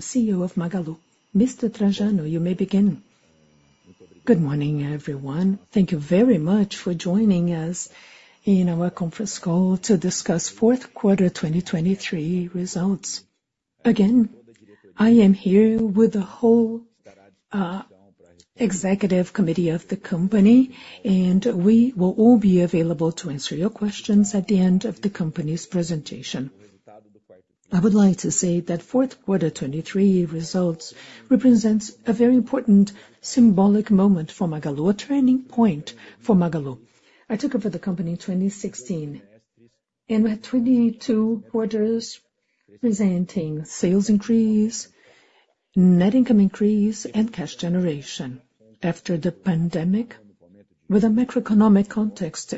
CEO of Magalu. Mr. Trajano, you may begin. Good morning, everyone. Thank you very much for joining us in our conference call to discuss Fourth Quarter 2023 Results. Again, I am here with the whole, executive committee of the company, and we will all be available to answer your questions at the end of the company's presentation. I would like to say that fourth quarter 2023 results represents a very important symbolic moment for Magalu, a turning point for Magalu. I took over the company in 2016, and we had 22 quarters presenting sales increase, net income increase, and cash generation. After the pandemic, with a macroeconomic context,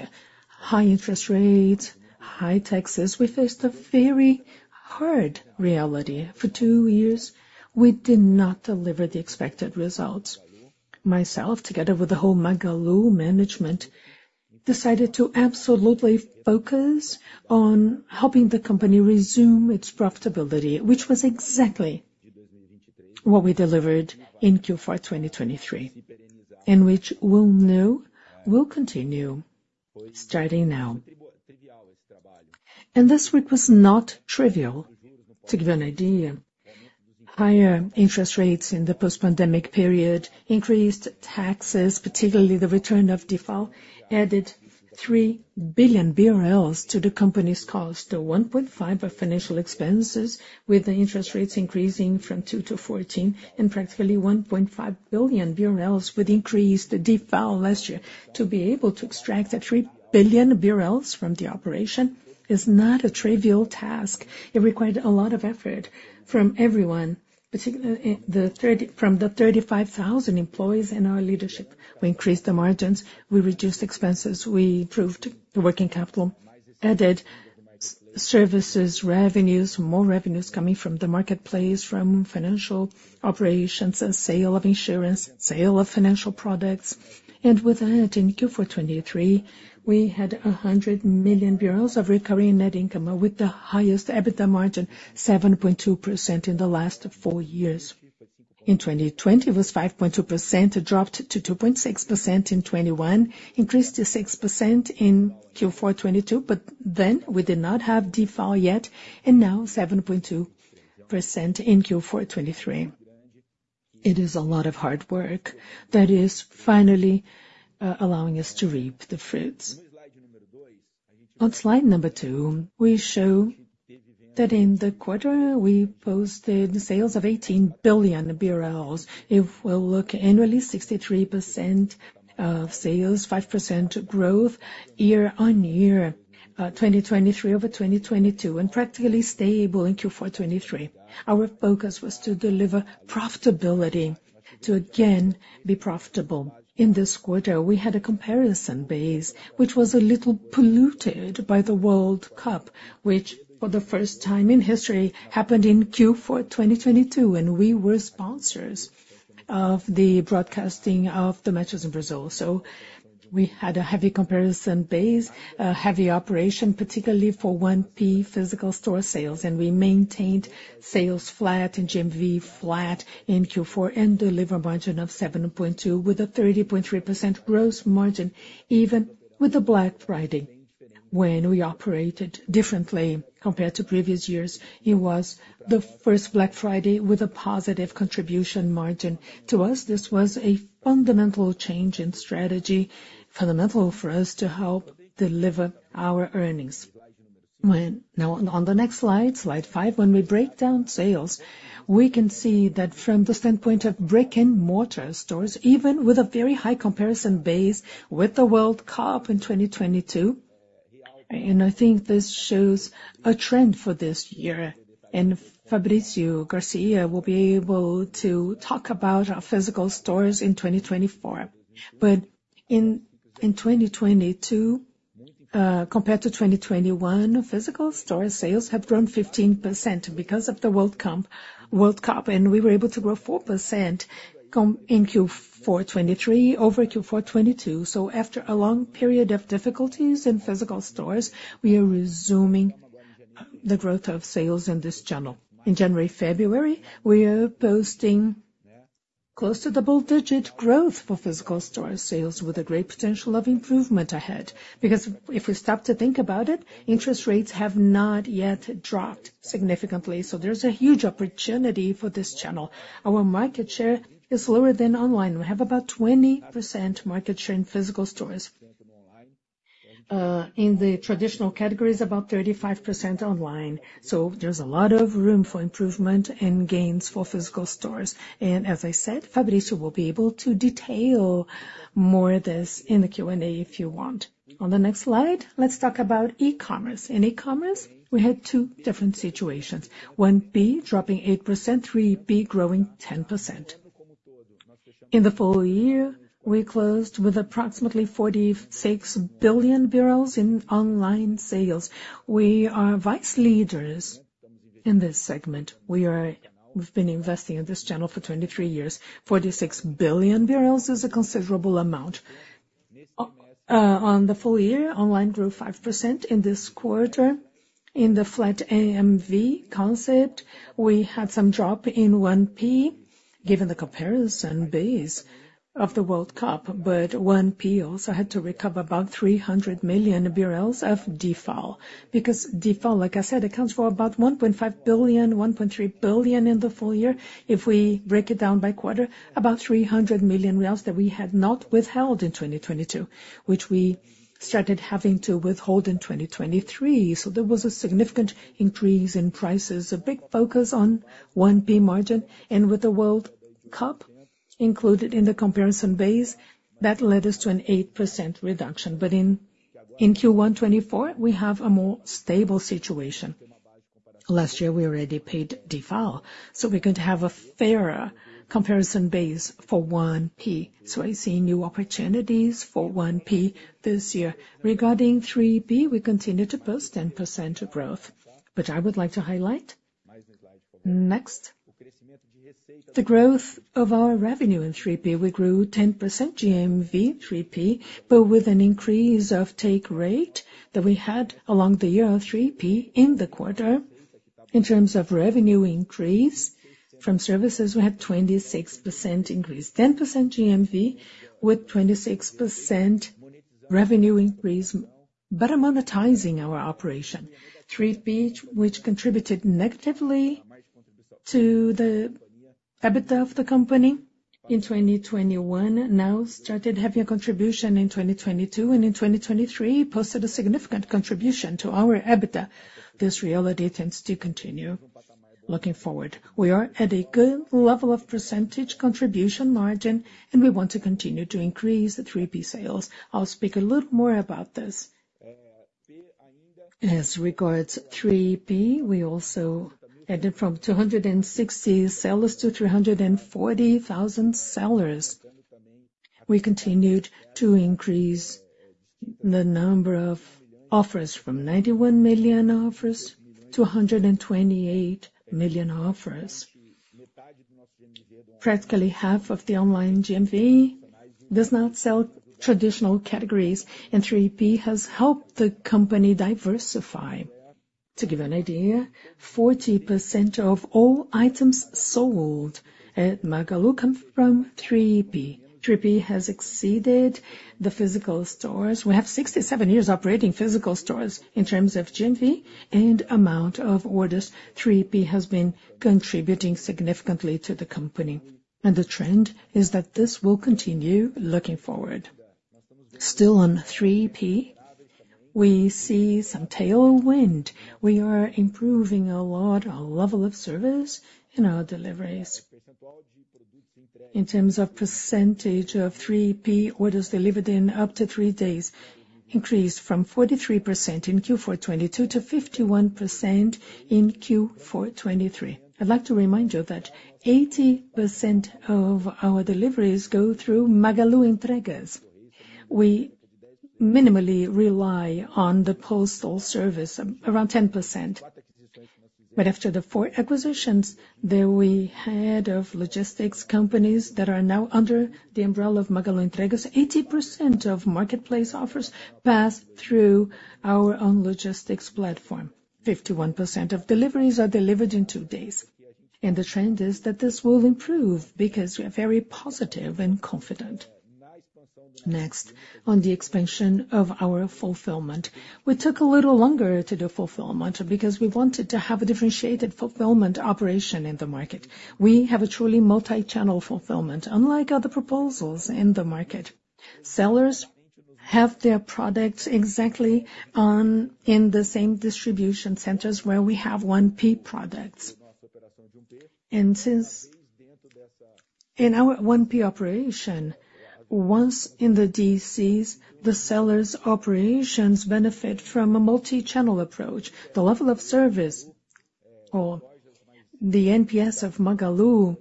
high interest rates, high taxes, we faced a very hard reality. For two years, we did not deliver the expected results. Myself, together with the whole Magalu management, decided to absolutely focus on helping the company resume its profitability, which was exactly what we delivered in Q4 2023, and which we'll know will continue starting now. And this week was not trivial. To give you an idea, higher interest rates in the post-pandemic period, increased taxes, particularly the return of DIFAL, added 3 billion BRL to the company's cost, 1.5 billion of financial expenses, with the interest rates increasing from 2 to 14, and practically 1.5 billion BRL would increase the DIFAL last year. To be able to extract that 3 billion BRL from the operation is not a trivial task. It required a lot of effort from everyone, particularly from the 35,000 employees and our leadership. We increased the margins, we reduced expenses, we improved the working capital, added services revenues, more revenues coming from the marketplace, from financial operations, sale of insurance, sale of financial products. With that, in Q4 2023, we had 100 million BRL of recurring net income, with the highest EBITDA margin 7.2% in the last four years. In 2020, it was 5.2%, dropped to 2.6% in 2021, increased to 6% in Q4 2022, but then we did not have DIFAL yet, and now 7.2% in Q4 2023. It is a lot of hard work that is finally allowing us to reap the fruits. On slide number two, we show that in the quarter we posted sales of 18 billion BRL. If we look annually, 63% of sales, 5% growth YoY, 2023 over 2022, and practically stable in Q4 2023. Our focus was to deliver profitability, to again be profitable. In this quarter, we had a comparison base, which was a little polluted by the World Cup, which for the first time in history happened in Q4 2022, and we were sponsors of the broadcasting of the matches in Brazil. So we had a heavy comparison base, a heavy operation, particularly for 1P physical store sales, and we maintained sales flat in GMV, flat in Q4, and delivered a margin of 7.2 with a 30.3% gross margin, even with the Black Friday. When we operated differently compared to previous years, it was the first Black Friday with a positive contribution margin to us. This was a fundamental change in strategy, fundamental for us to help deliver our earnings. Now, on the next slide, slide 5, when we break down sales, we can see that from the standpoint of brick-and-mortar stores, even with a very high comparison base with the World Cup in 2022, and I think this shows a trend for this year. Fabrício Garcia will be able to talk about our physical stores in 2024. In 2022, compared to 2021, physical store sales have grown 15% because of the World Cup, and we were able to grow 4% in Q4 2023 over Q4 2022. After a long period of difficulties in physical stores, we are resuming the growth of sales in this channel. In January, February, we are posting close to double-digit growth for physical store sales with a great potential of improvement ahead. Because if we stop to think about it, interest rates have not yet dropped significantly, so there's a huge opportunity for this channel. Our market share is lower than online. We have about 20% market share in physical stores. In the traditional categories, about 35% online. So there's a lot of room for improvement and gains for physical stores. And as I said, Fabrício will be able to detail more of this in the Q&A if you want. On the next slide, let's talk about e-commerce. In e-commerce, we had two different situations: 1P dropping 8%, 3P growing 10%. In the full year, we closed with approximately 46 billion BRL in online sales. We are vice leaders in this segment. We are—we've been investing in this channel for 23 years. 46 billion BRL is a considerable amount. On the full year, online grew 5%. In this quarter, in the flat GMV concept, we had some drop in 1P, given the comparison base of the World Cup, but 1P also had to recover 300 million of DIFAL. Because DIFAL, like I said, accounts for 1.5 billion, 1.3 billion in the full year. If we break it down by quarter, 300 million reals that we had not withheld in 2022, which we started having to withhold in 2023. So there was a significant increase in prices, a big focus on 1P margin, and with the World Cup included in the comparison base, that led us to an 8% reduction. But in Q1 2024, we have a more stable situation. Last year, we already paid DIFAL, so we're going to have a fairer comparison base for 1P. So I see new opportunities for 1P this year. Regarding 3P, we continue to post 10% growth. But I would like to highlight next, the growth of our revenue in 3P. We grew 10% GMV, 3P, but with an increase of take rate that we had along the year, 3P, in the quarter. In terms of revenue increase from services, we had 26% increase, 10% GMV, with 26% revenue increase, better monetizing our operation. 3P, which contributed negatively to the EBITDA of the company in 2021, now started having a contribution in 2022, and in 2023, posted a significant contribution to our EBITDA. This reality tends to continue. Looking forward, we are at a good level of percentage contribution margin, and we want to continue to increase the 3P sales. I'll speak a little more about this. As regards 3P, we also added from 260 sellers to 340,000 sellers. We continued to increase the number of offers from 91 million offers to 128 million offers. Practically half of the online GMV does not sell traditional categories, and 3P has helped the company diversify. To give you an idea, 40% of all items sold at Magalu come from 3P. 3P has exceeded the physical stores. We have 67 years operating physical stores in terms of GMV and amount of orders. 3P has been contributing significantly to the company, and the trend is that this will continue looking forward. Still on 3P, we see some tailwind. We are improving a lot our level of service and our deliveries. In terms of percentage of 3P orders delivered in up to three days, increased from 43% in Q4 2022 to 51% in Q4 2023. I'd like to remind you that 80% of our deliveries go through Magalu Entregas. We minimally rely on the postal service, around 10%. But after the 4 acquisitions, there were heads of logistics companies that are now under the umbrella of Magalu Entregas. 80% of marketplace offers pass through our own logistics platform. 51% of deliveries are delivered in 2 days. And the trend is that this will improve because we are very positive and confident. Next, on the expansion of our fulfillment, we took a little longer to do fulfillment because we wanted to have a differentiated fulfillment operation in the market. We have a truly multi-channel fulfillment, unlike other proposals in the market. Sellers have their products exactly in the same distribution centers where we have 1P products. And since in our 1P operation, once in the DCs, the sellers' operations benefit from a multi-channel approach. The level of service, or the NPS of Magalu,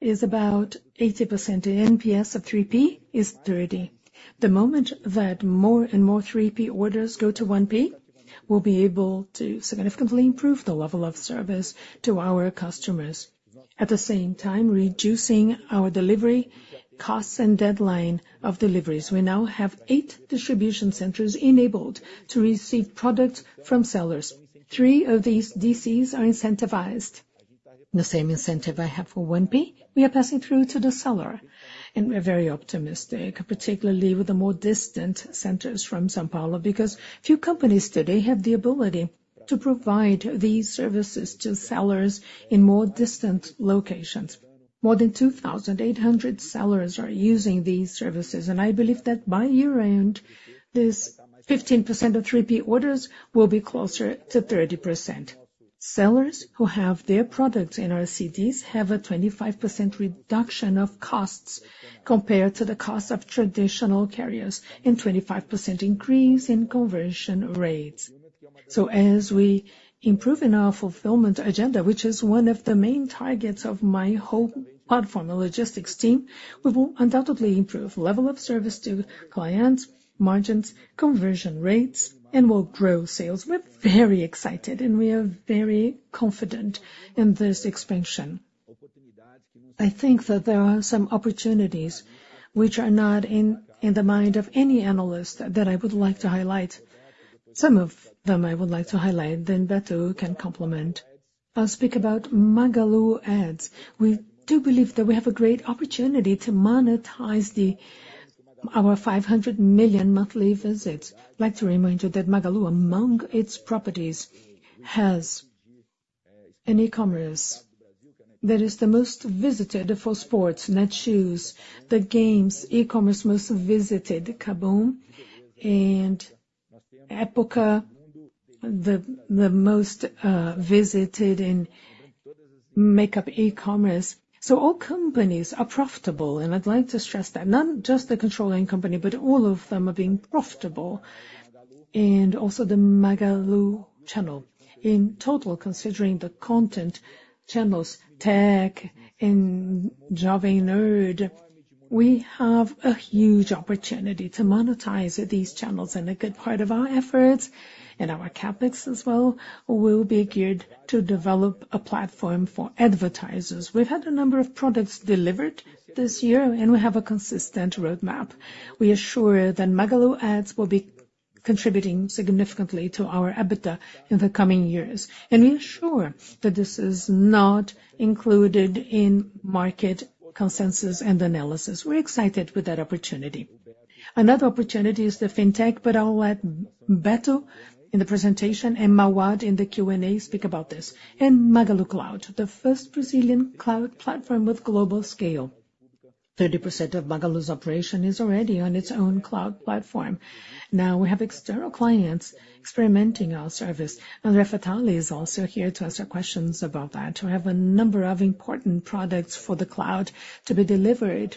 is about 80%. The NPS of 3P is 30. The moment that more and more 3P orders go to 1P, we'll be able to significantly improve the level of service to our customers, at the same time reducing our delivery costs and deadline of deliveries. We now have eight distribution centers enabled to receive products from sellers. Three of these DCs are incentivized. The same incentive I have for 1P, we are passing through to the seller, and we're very optimistic, particularly with the more distant centers from São Paulo, because few companies today have the ability to provide these services to sellers in more distant locations. More than 2,800 sellers are using these services, and I believe that by year-end, this 15% of 3P orders will be closer to 30%. Sellers who have their products in our DCs have a 25% reduction of costs compared to the cost of traditional carriers, and a 25% increase in conversion rates. So as we improve in our fulfillment agenda, which is one of the main targets of my whole platform, the logistics team, we will undoubtedly improve level of service to clients, margins, conversion rates, and we'll grow sales. We're very excited, and we are very confident in this expansion. I think that there are some opportunities which are not in the mind of any analyst that I would like to highlight. Some of them I would like to highlight, then Beto can complement. I'll speak about Magalu Ads. We do believe that we have a great opportunity to monetize our 500 million monthly visits. I'd like to remind you that Magalu, among its properties, has an e-commerce that is the most visited for sports, Netshoes, the games e-commerce most visited, KaBuM!, and Época, the most visited in makeup e-commerce. So all companies are profitable, and I'd like to stress that, not just the controlling company, but all of them are being profitable. Also the Magalu channel. In total, considering the content channels, Canaltech, and Jovem Nerd, we have a huge opportunity to monetize these channels, and a good part of our efforts and our CapEx as well will be geared to develop a platform for advertisers. We've had a number of products delivered this year, and we have a consistent roadmap. We assure that Magalu Ads will be contributing significantly to our EBITDA in the coming years, and we assure that this is not included in market consensus and analysis. We're excited with that opportunity. Another opportunity is the fintech, but I'll let Beto in the presentation and Mauad in the Q&A speak about this. And Magalu Cloud, the first Brazilian cloud platform with global scale. 30% of Magalu's operation is already on its own cloud platform. Now we have external clients experimenting our service. André Fatala is also here to answer questions about that. We have a number of important products for the cloud to be delivered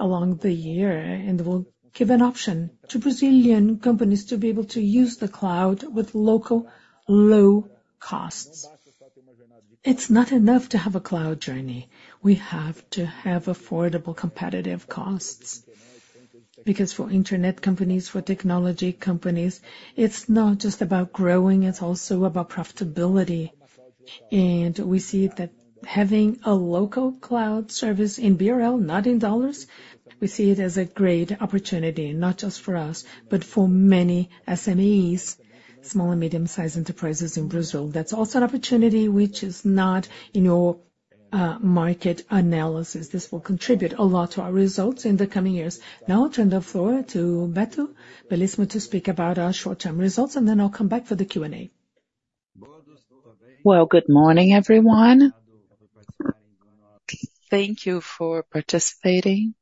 along the year, and we'll give an option to Brazilian companies to be able to use the cloud with local, low costs. It's not enough to have a cloud journey. We have to have affordable, competitive costs. Because for internet companies, for technology companies, it's not just about growing, it's also about profitability. And we see that having a local cloud service in BRL, not in dollars, we see it as a great opportunity, not just for us, but for many SMEs, small and medium-sized enterprises in Brazil. That's also an opportunity which is not in your market analysis. This will contribute a lot to our results in the coming years. Now I'll turn the floor to Beto Bellissimo to speak about our short-term results, and then I'll come back for the Q&A. Well, good morning, everyone. Thank you for participating.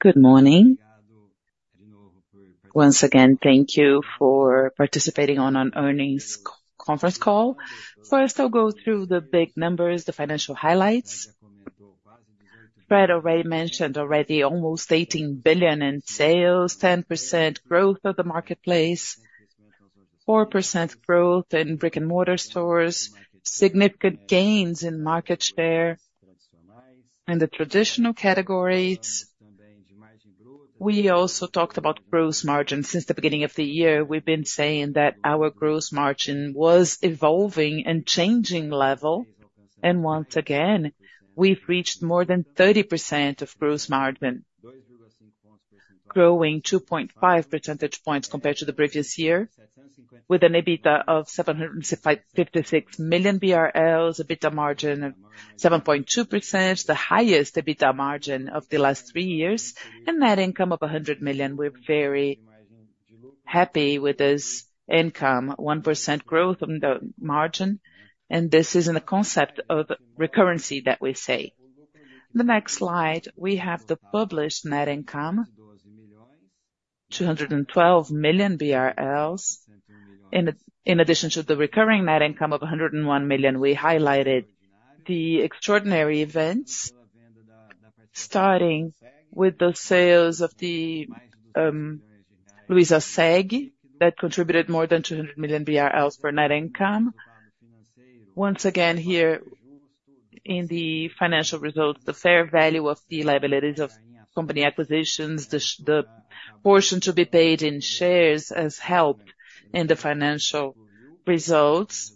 Good morning. Once again, thank you for participating on our earnings conference call. First, I'll go through the big numbers, the financial highlights. Fred already mentioned almost 18 billion in sales, 10% growth of the marketplace, 4% growth in brick-and-mortar stores, significant gains in market share in the traditional categories. We also talked about gross margin. Since the beginning of the year, we've been saying that our gross margin was evolving and changing level, and once again, we've reached more than 30% of gross margin, growing 2.5 percentage points compared to the previous year, with an EBITDA of 756 million BRL, EBITDA margin of 7.2%, the highest EBITDA margin of the last three years, and net income of 100 million. We're very happy with this income, 1% growth on the margin, and this is in the concept of recurring that we say. In the next slide, we have the published net income, 212 million BRL. In addition to the recurring net income of 101 million, we highlighted the extraordinary events starting with the sales of the Luizaseg that contributed more than 200 million BRL for net income. Once again, here in the financial results, the fair value of the liabilities of company acquisitions, the portion to be paid in shares has helped in the financial results,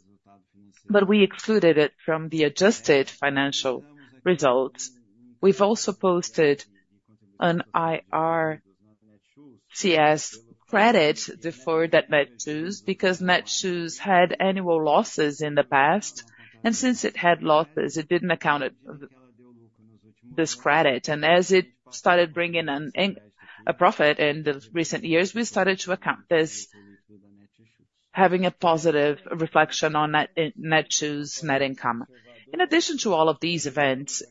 but we excluded it from the adjusted financial results. We've also posted an IR/CS credit for that Netshoes because Netshoes had annual losses in the past, and since it had losses, it didn't account for this credit. And as it started bringing in a profit in the recent years, we started to account for this, having a positive reflection on Netshoes net income. In addition to all of these events,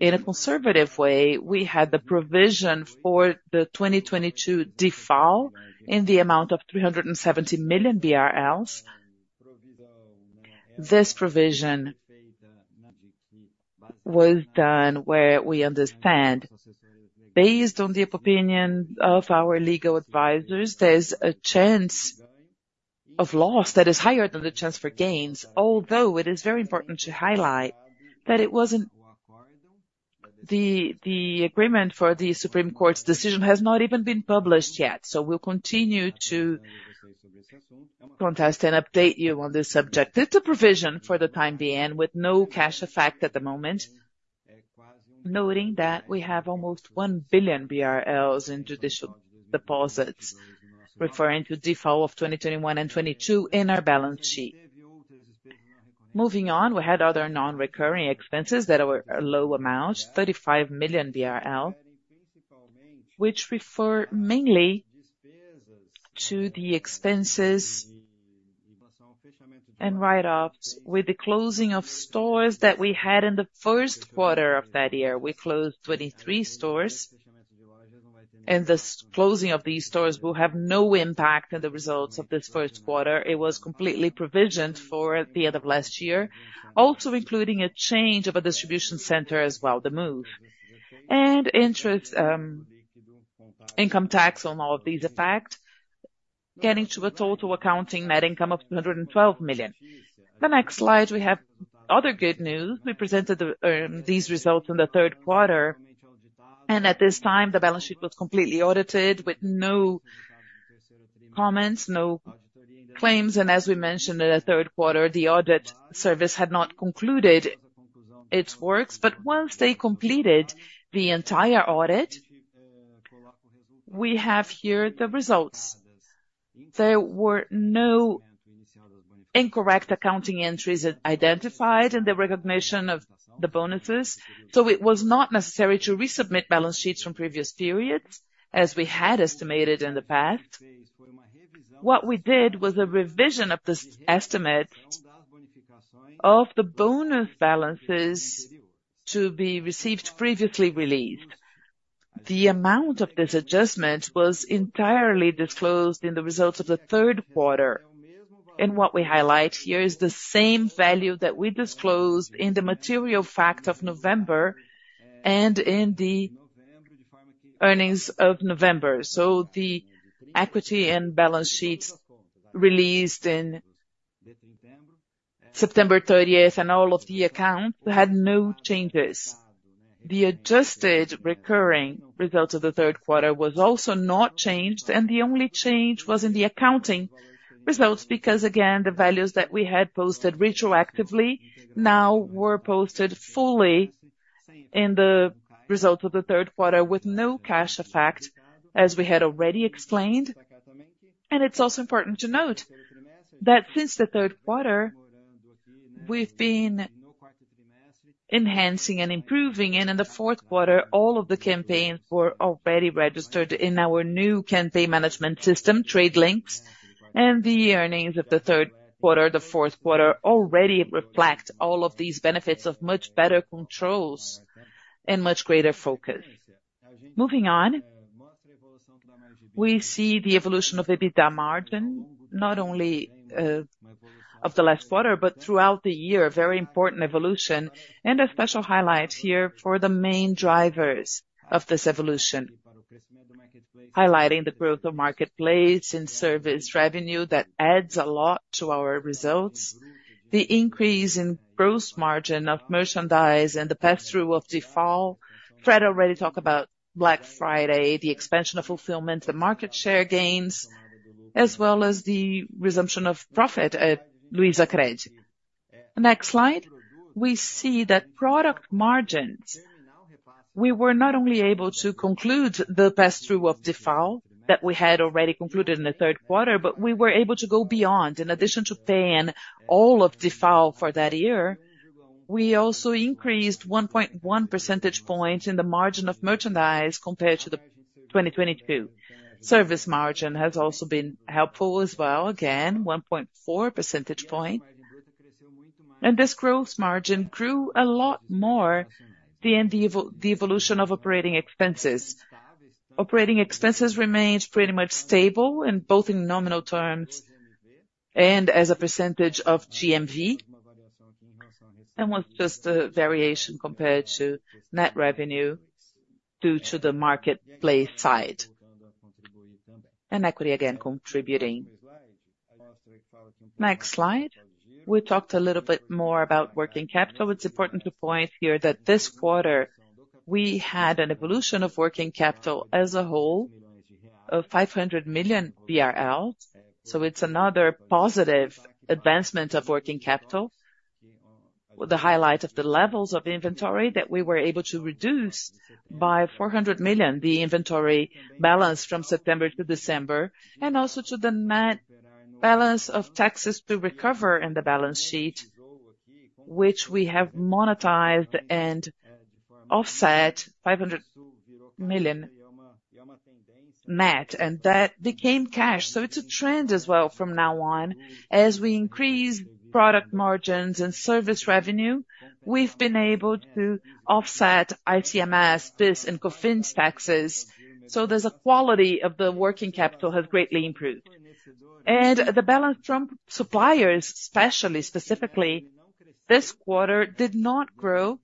in a conservative way, we had the provision for the 2022 DIFAL in the amount of 370 million. This provision was done where we understand, based on the opinion of our legal advisors, there's a chance of loss that is higher than the chance for gains, although it is very i mportant to highlight that the agreement for the Supreme Court's decision has not even been published yet. So we'll continue to contest and update you on this subject. It's a provision for the time being, with no cash effect at the moment, noting that we have almost 1 billion BRL in judicial deposits, referring to DIFAL of 2021 and 2022 in our balance sheet. Moving on, we had other non-recurring expenses that were a low amount, 35 million BRL, which refer mainly to the expenses and write-offs with the closing of stores that we had in the first quarter of that year. We closed 23 stores, and the closing of these stores will have no impact on the results of this first quarter. It was completely provisioned for the end of last year, also including a change of a distribution center as well, the move. Income tax on all of these effects, getting to a total accounting net income of 212 million. The next slide, we have other good news. We presented these results in the third quarter, and at this time, the balance sheet was completely audited with no comments, no claims. As we mentioned in the third quarter, the audit service had not concluded its work, but once they completed the entire audit, we have here the results. There were no incorrect accounting entries identified in the recognition of the bonuses, so it was not necessary to resubmit balance sheets from previous periods, as we had estimated in the past. What we did was a revision of this estimate of the bonus balances to be received previously released. The amount of this adjustment was entirely disclosed in the results of the third quarter, and what we highlight here is the same value that we disclosed in the material fact of November and in the earnings of November. So the equity and balance sheets released in September 30th and all of the accounts had no changes. The adjusted recurring results of the third quarter were also not changed, and the only change was in the accounting results because, again, the values that we had posted retroactively now were posted fully in the results of the third quarter with no cash effect, as we had already explained. It's also important to note that since the third quarter, we've been enhancing and improving, and in the fourth quarter, all of the campaigns were already registered in our new campaign management system, TradeLink, and the earnings of the third quarter, the fourth quarter, already reflect all of these benefits of much better controls and much greater focus. Moving on, we see the evolution of EBITDA margin, not only of the last quarter, but throughout the year, a very important evolution, and a special highlight here for the main drivers of this evolution, highlighting the growth of marketplace and service revenue that adds a lot to our results, the increase in gross margin of merchandise and the pass-through of DIFAL. Fred already talked about Black Friday, the expansion of fulfillment, the market share gains, as well as the resumption of profit at Luizacred. Next slide, we see that product margins, we were not only able to conclude the pass-through of DIFAL that we had already concluded in the third quarter, but we were able to go beyond. In addition to paying all of DIFAL for that year, we also increased 1.1 percentage points in the margin of merchandise compared to 2022. Service margin has also been helpful as well, again, 1.4 percentage points. This gross margin grew a lot more than the evolution of operating expenses. Operating expenses remained pretty much stable in both nominal terms and as a percentage of GMV, and was just a variation compared to net revenue due to the marketplace side. Equity, again, contributing. Next slide, we talked a little bit more about working capital. It's important to point here that this quarter, we had an evolution of working capital as a whole of 500 million BRL, so it's another positive advancement of working capital. The highlight of the levels of inventory that we were able to reduce by 400 million, the inventory balance from September to December, and also to the net balance of taxes to recover in the balance sheet, which we have monetized and offset 500 million net, and that became cash. So it's a trend as well from now on. As we increase product margins and service revenue, we've been able to offset ICMS, PIS, and COFINS taxes, so there's a quality of the working capital that has greatly improved. The balance from suppliers, specifically, this quarter did not grow.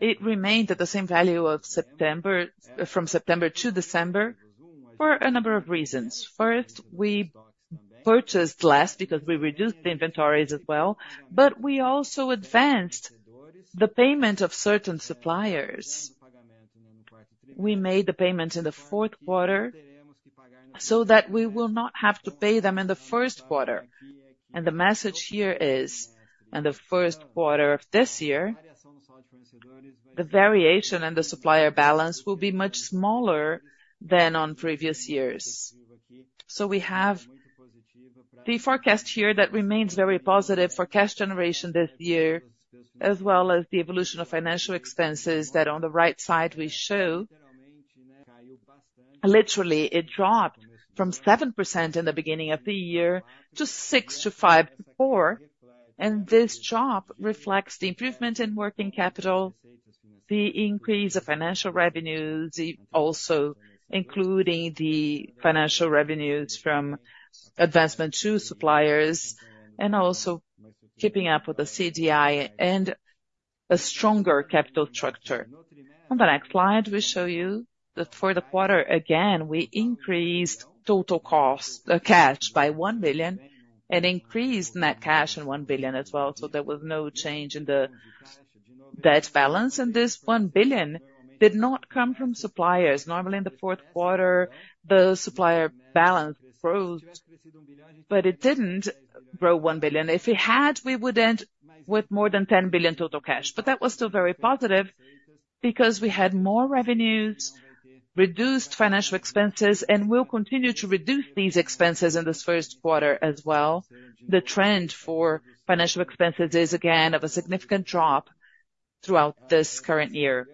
It remained at the same value from September to December for a number of reasons. First, we purchased less because we reduced the inventories as well, but we also advanced the payment of certain suppliers. We made the payment in the fourth quarter so that we will not have to pay them in the first quarter. The message here is, in the first quarter of this year, the variation in the supplier balance will be much smaller than on previous years. We have the forecast here that remains very positive, forecast generation this year, as well as the evolution of financial expenses that on the right side we show. Literally, it dropped from 7% in the beginning of the year to 6% to 5% to 4%, and this drop reflects the improvement in working capital, the increase of financial revenues, also including the financial revenues from advancement to suppliers, and also keeping up with the CDI and a stronger capital structure. On the next slide, we show you that for the quarter, again, we increased total cash by 1 billion and increased net cash by 1 billion as well, so there was no change in the debt balance. And this 1 billion did not come from suppliers. Normally, in the fourth quarter, the supplier balance grows, but it didn't grow 1 billion. If it had, we would end with more than 10 billion total cash, but that was still very positive because we had more revenues, reduced financial expenses, and we'll continue to reduce these expenses in this first quarter as well. The trend for financial expenses is, again, of a significant drop throughout this current year.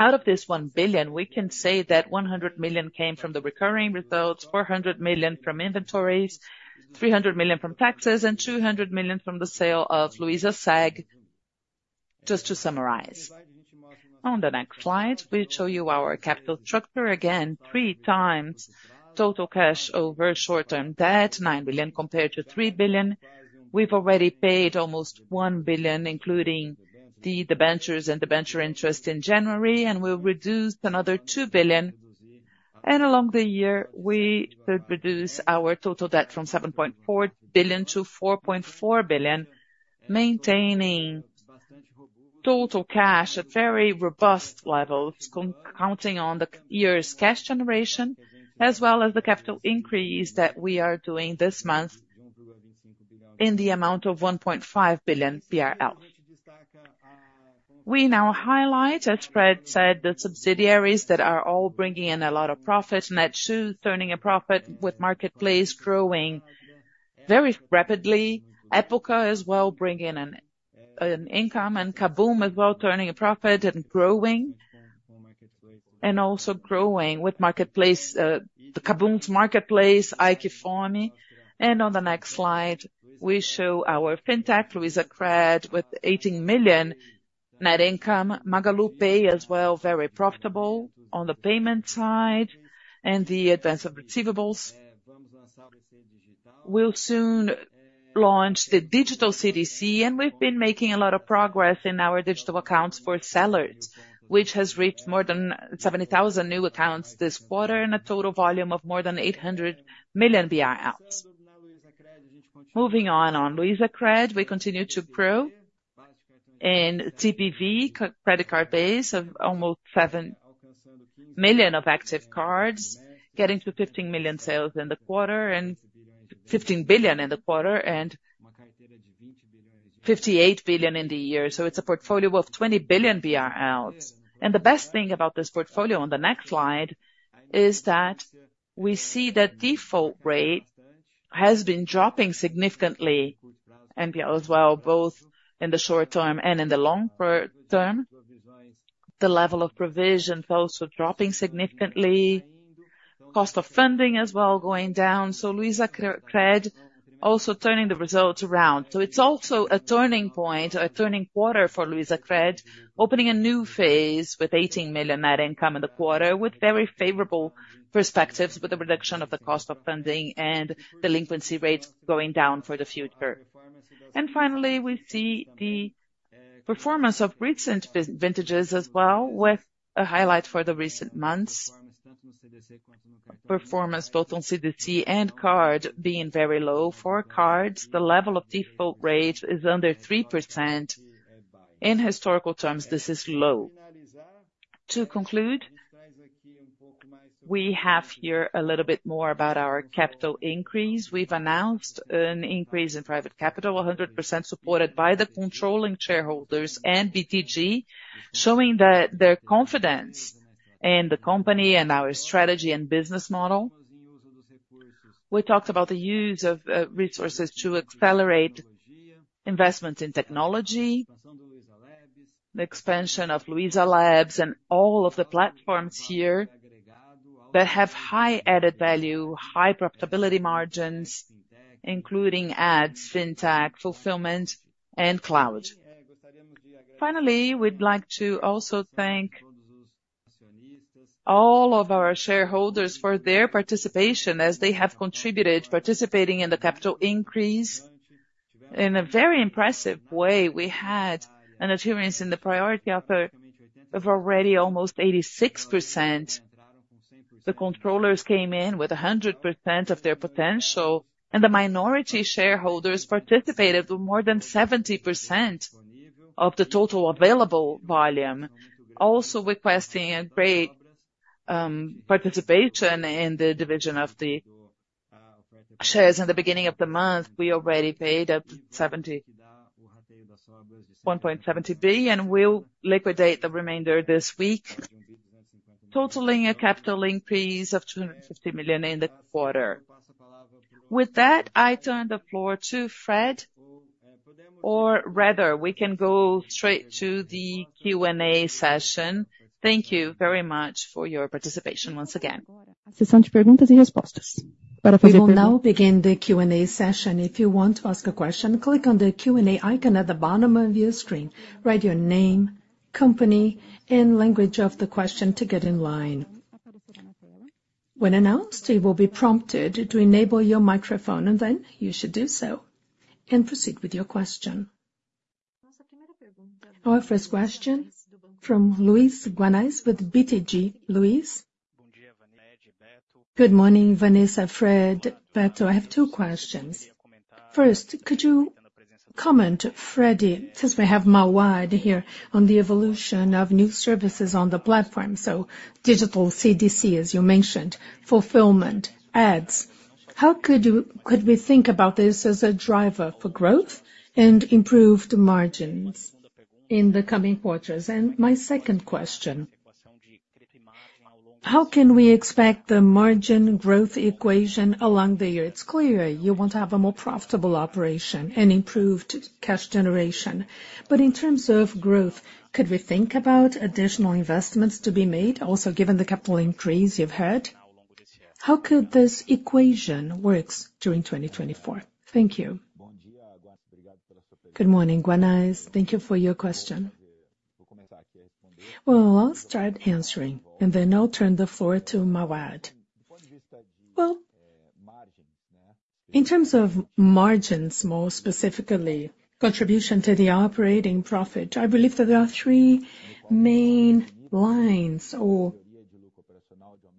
Out of this 1 billion, we can say that 100 million came from the recurring results, 400 million from inventories, 300 million from taxes, and 200 million from the sale of Luizaseg. Just to summarize, on the next slide, we show you our capital structure again, 3x total cash over short-term debt, 9 billion compared to 3 billion. We've already paid almost 1 billion, including the debentures and debenture interest in January, and we've reduced another 2 billion. And along the year, we could reduce our total debt from 7.4 billion-4.4 billion, maintaining total cash at very robust levels, counting on the year's cash generation as well as the capital increase that we are doing this month in the amount of 1.5 billion. We now highlight, as Fred said, the subsidiaries that are all bringing in a lot of profit, Netshoes turning a profit with marketplace growing very rapidly, Época as well bringing in an income, and KaBuM! as well turning a profit and growing, and also growing with the KaBuM!'s marketplace, Aiqfome. On the next slide, we show our fintech, Luizacred, with 18 million net income, MagaluPay as well, very profitable on the payment side and the advance of receivables. We'll soon launch the Digital CDC, and we've been making a lot of progress in our digital accounts for sellers, which has reached more than 70,000 new accounts this quarter and a total volume of more than 800 million. Moving on, on Luizacred, we continue to grow in TPV, credit card base of almost 7 million of active cards, getting to 15 million sales in the quarter, and 58 billion in the year. So it's a portfolio of 20 billion BRL. The best thing about this portfolio, on the next slide, is that we see that default rate has been dropping significantly as well, both in the short term and in the long term. The level of provisions also dropping significantly, cost of funding as well going down, so Luizacred also turning the results around. So it's also a turning point, a turning quarter for Luizacred, opening a new phase with 18 million net income in the quarter with very favorable perspectives with the reduction of the cost of funding and delinquency rates going down for the future. And finally, we see the performance of recent vintages as well, with a highlight for the recent months. Performance both on CDC and card being very low. For cards, the level of default rate is under 3%. In historical terms, this is low. To conclude, we have here a little bit more about our capital increase. We've announced an increase in private capital, 100% supported by the controlling shareholders and BTG, showing that their confidence in the company and our strategy and business model. We talked about the use of resources to accelerate investments in technology, the expansion of LuizaLabs, and all of the platforms here that have high added value, high profitability margins, including ads, fintech, fulfillment, and cloud. Finally, we'd like to also thank all of our shareholders for their participation as they have contributed, participating in the capital increase in a very impressive way. We had an appearance in the priority offer of already almost 86%. The controllers came in with 100% of their potential, and the minority shareholders participated with more than 70% of the total available volume, also requesting a great participation in the division of the shares. In the beginning of the month, we already paid up to 1.70 billion, and we'll liquidate the remainder this week, totaling a capital increase of 250 million in the quarter. With that, I turn the floor to Fred, or rather, we can go straight to the Q&A session. Thank you very much for your participation once again. We will now begin the Q&A session. If you want to ask a question, click on the Q&A icon at the bottom of your screen. Write your name, company, and language of the question to get in line. When announced, you will be prompted to enable your microphone, and then you should do so and proceed with your question. Our first question from Luiz Guanais with BTG. Luiz? Good morning, Vanessa, Fred, Beto. I have two questions. First, could you comment, Fred, since we have Mauad here on the evolution of new services on the platform, so Digital CDC, as you mentioned, fulfillment, ads, how could we think about this as a driver for growth and improved margins in the coming quarters? And my second question, how can we expect the margin growth equation along the year? It's clear you want to have a more profitable operation and improved cash generation, but in terms of growth, could we think about additional investments to be made, also given the capital increase you've heard? How could this equation work during 2024? Thank you. Good morning, Guanais. Thank you for your question. Well, I'll start answering, and then I'll turn the floor to Mauad. Well, in terms of margins, more specifically, contribution to the operating profit, I believe that there are three main lines or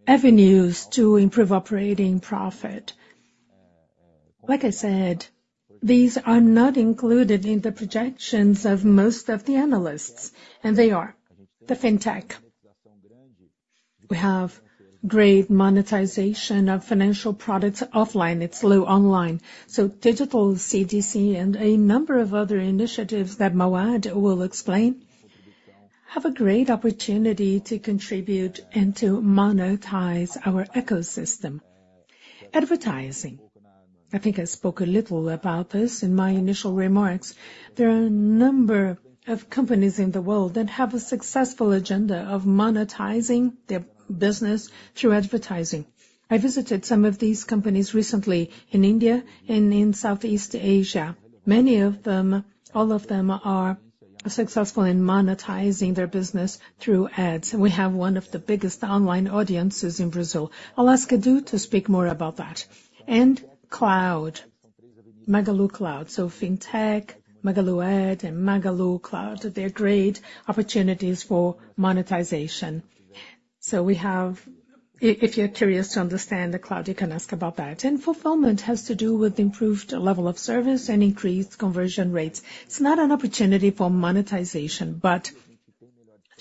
avenues to improve operating profit. Like I said, these are not included in the projections of most of the analysts, and they are the fintech. We have great monetization of financial products offline. It's low online. So Digital CDC and a number of other initiatives that Mauad will explain have a great opportunity to contribute and to monetize our ecosystem. Advertising. I think I spoke a little about this in my initial remarks. There are a number of companies in the world that have a successful agenda of monetizing their business through advertising. I visited some of these companies recently in India and in Southeast Asia. Many of them, all of them are successful in monetizing their business through ads. And we have one of the biggest online audiences in Brazil. I'll ask Edu to speak more about that. And cloud, Magalu Cloud, so fintech, Magalu Ads, and Magalu Cloud, they're great opportunities for monetization. So if you're curious to understand the cloud, you can ask about that. And fulfillment has to do with improved level of service and increased conversion rates. It's not an opportunity for monetization, but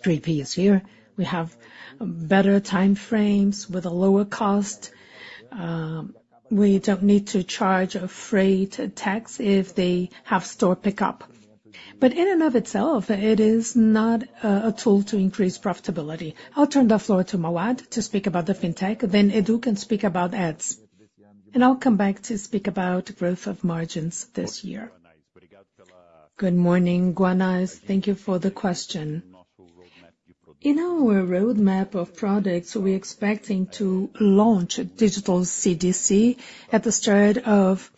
3P here. We have better time frames with a lower cost. We don't need to charge a freight tax if they have store pickup. But in and of itself, it is not a tool to increase profitability. I'll turn the floor to Mauad to speak about the fintech, then Edu can speak about ads. And I'll come back to speak about growth of margins this year. Good morning, Guanais. Thank you for the question. In our roadmap of products, we're expecting to launch a Digital CDC at the start of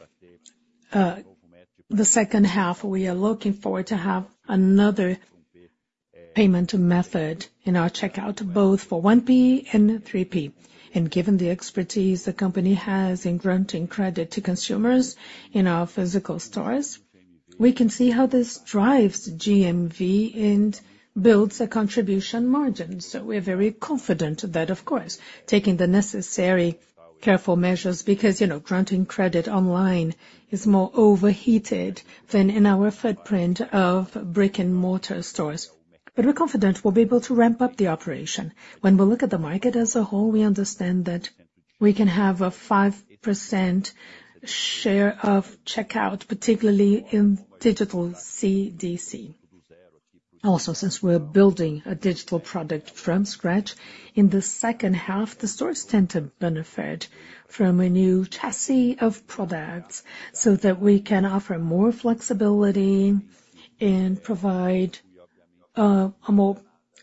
the second half. We are looking forward to having another payment method in our checkout, both for 1P and 3P. And given the expertise the company has in granting credit to consumers in our physical stores, we can see how this drives GMV and builds a contribution margin. So we're very confident that, of course, taking the necessary careful measures because granting credit online is more overheated than in our footprint of brick-and-mortar stores. But we're confident we'll be able to ramp up the operation. When we look at the market as a whole, we understand that we can have a 5% share of checkout, particularly in digital CDC. Also, since we're building a digital product from scratch, in the second half, the stores tend to benefit from a new chassis of products so that we can offer more flexibility and provide a more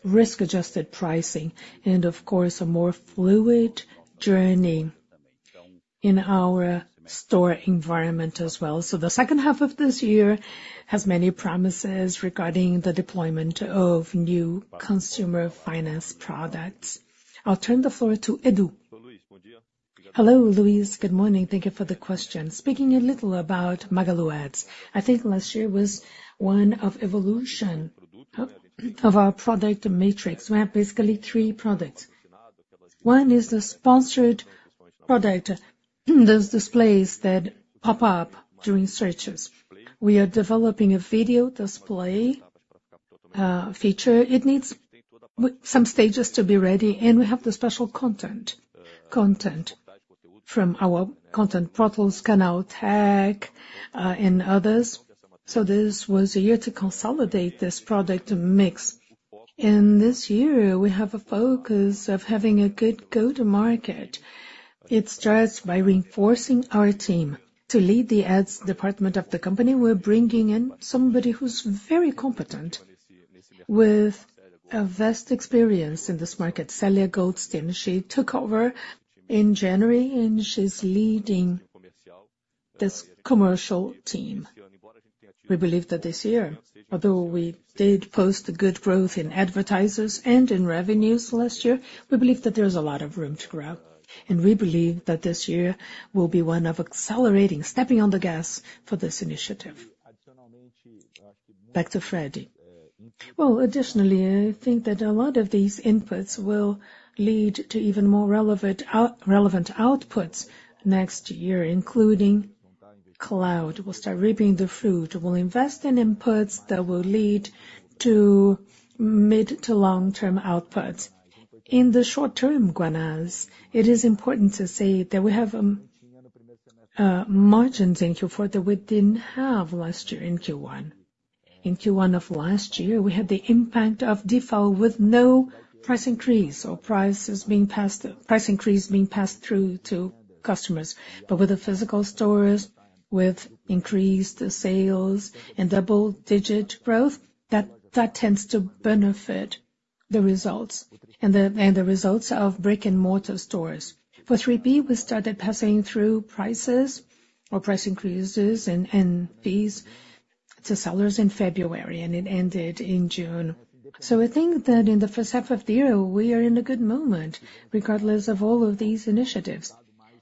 risk-adjusted pricing and, of course, a more fluid journey in our store environment as well. So the second half of this year has many promises regarding the deployment of new consumer finance products. I'll turn the floor to Edu. Hello, Luiz. Good morning. Thank you for the question. Speaking a little about Magalu Ads, I think last year was one of evolution of our product matrix. We have basically three products. One is the sponsored product, those displays that pop up during searches. We are developing a video display feature. It needs some stages to be ready, and we have the special content from our content portals, Canaltech, and others. So this was a year to consolidate this product mix. And this year, we have a focus of having a good go-to-market. It starts by reinforcing our team. To lead the Ads department of the company, we're bringing in somebody who's very competent with a vast experience in this market, Celia Goldstein. She took over in January, and she's leading this commercial team. We believe that this year, although we did post good growth in advertisers and in revenues last year, we believe that there's a lot of room to grow. We believe that this year will be one of accelerating, stepping on the gas for this initiative. Back to Fred. Well, additionally, I think that a lot of these inputs will lead to even more relevant outputs next year, including cloud. We'll start reaping the fruit. We'll invest in inputs that will lead to mid- to long-term outputs. In the short term, Guanais, it is important to say that we have margins, in Q4, that we didn't have last year in Q1. In Q1 of last year, we had the impact of DIFAL with no price increase or price increase being passed through to customers. But with the physical stores, with increased sales and double-digit growth, that tends to benefit the results and the results of brick-and-mortar stores. For 3P, we started passing through prices or price increases and fees to sellers in February, and it ended in June. So I think that in the first half of the year, we are in a good moment regardless of all of these initiatives.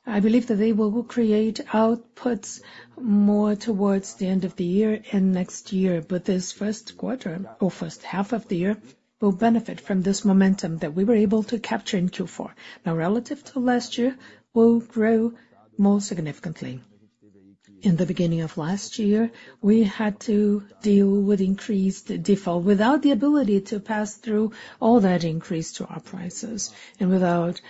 I believe that they will create outputs more towards the end of the year and next year, but this first quarter or first half of the year will benefit from this momentum that we were able to capture in Q4. Now, relative to last year, we'll grow more significantly. In the beginning of last year, we had to deal with increased default without the ability to pass through all that increase to our prices and without